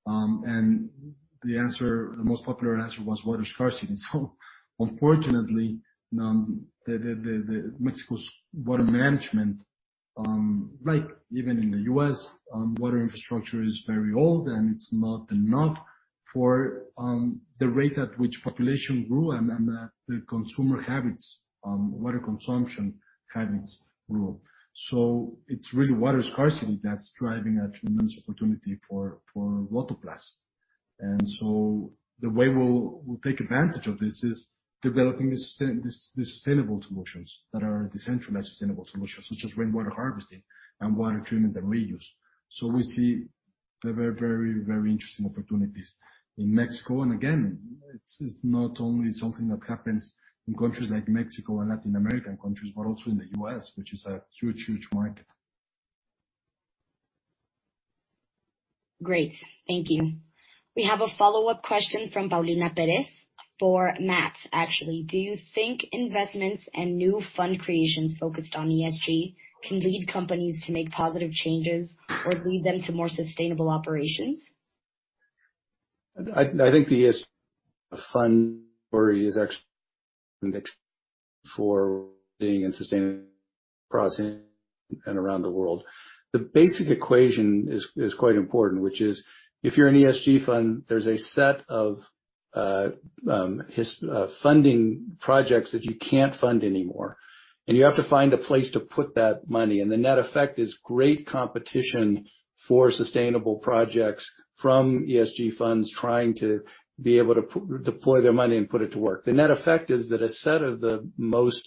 The answer, the most popular answer was water scarcity. Unfortunately, the Mexico's water management, like even in the U.S., water infrastructure is very old, and it's not enough for the rate at which population grew and the consumer habits, water consumption habits grew. It's really water scarcity that's driving a tremendous opportunity for Rotoplas. The way we'll take advantage of this is developing the sustainable solutions that are decentralized, sustainable solutions, such as rainwater harvesting and water treatment and reuse. We see the very interesting opportunities in Mexico. Again, it's not only something that happens in countries like Mexico and Latin American countries, but also in the U.S., which is a huge market. Great. Thank you. We have a follow-up question from Paulina Perez for Matt, actually. Do you think investments and new fund creations focused on ESG can lead companies to make positive changes or lead them to more sustainable operations? I think the ESG fund story is actually for being and sustaining projects around the world. The basic equation is quite important, which is if you're an ESG fund, there's a set of fossil funding projects that you can't fund anymore, and you have to find a place to put that money. The net effect is great competition for sustainable projects from ESG funds trying to be able to deploy their money and put it to work. The net effect is that a set of the most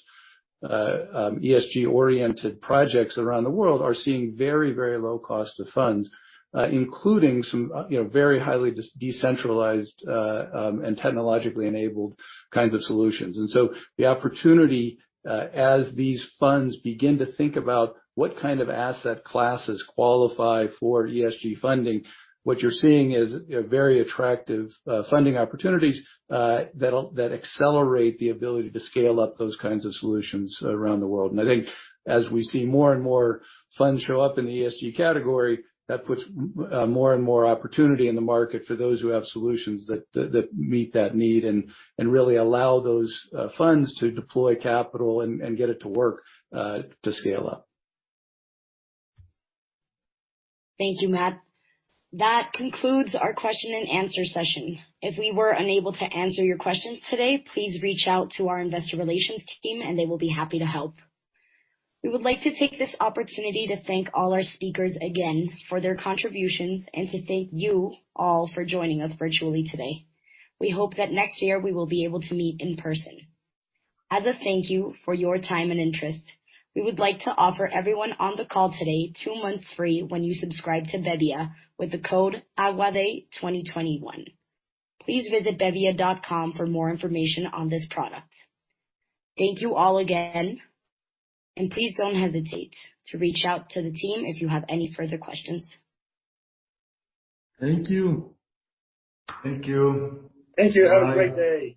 ESG-oriented projects around the world are seeing very, very low cost of funds, including some, you know, very highly decentralized and technologically enabled kinds of solutions. The opportunity, as these funds begin to think about what kind of asset classes qualify for ESG funding, what you're seeing is, you know, very attractive, funding opportunities, that accelerate the ability to scale up those kinds of solutions around the world. I think as we see more and more funds show up in the ESG category, that puts more and more opportunity in the market for those who have solutions that meet that need and really allow those funds to deploy capital and get it to work to scale up. Thank you, Matt. That concludes our question and answer session. If we were unable to answer your questions today, please reach out to our investor relations team, and they will be happy to help. We would like to take this opportunity to thank all our speakers again for their contributions and to thank you all for joining us virtually today. We hope that next year we will be able to meet in person. As a thank you for your time and interest, we would like to offer everyone on the call today two months free when you subscribe to bebbia with the code Aguade2021. Please visit bebbia.com for more information on this product. Thank you all again, and please don't hesitate to reach out to the team if you have any further questions. Thank you. Thank you. Thank you. Have a great day.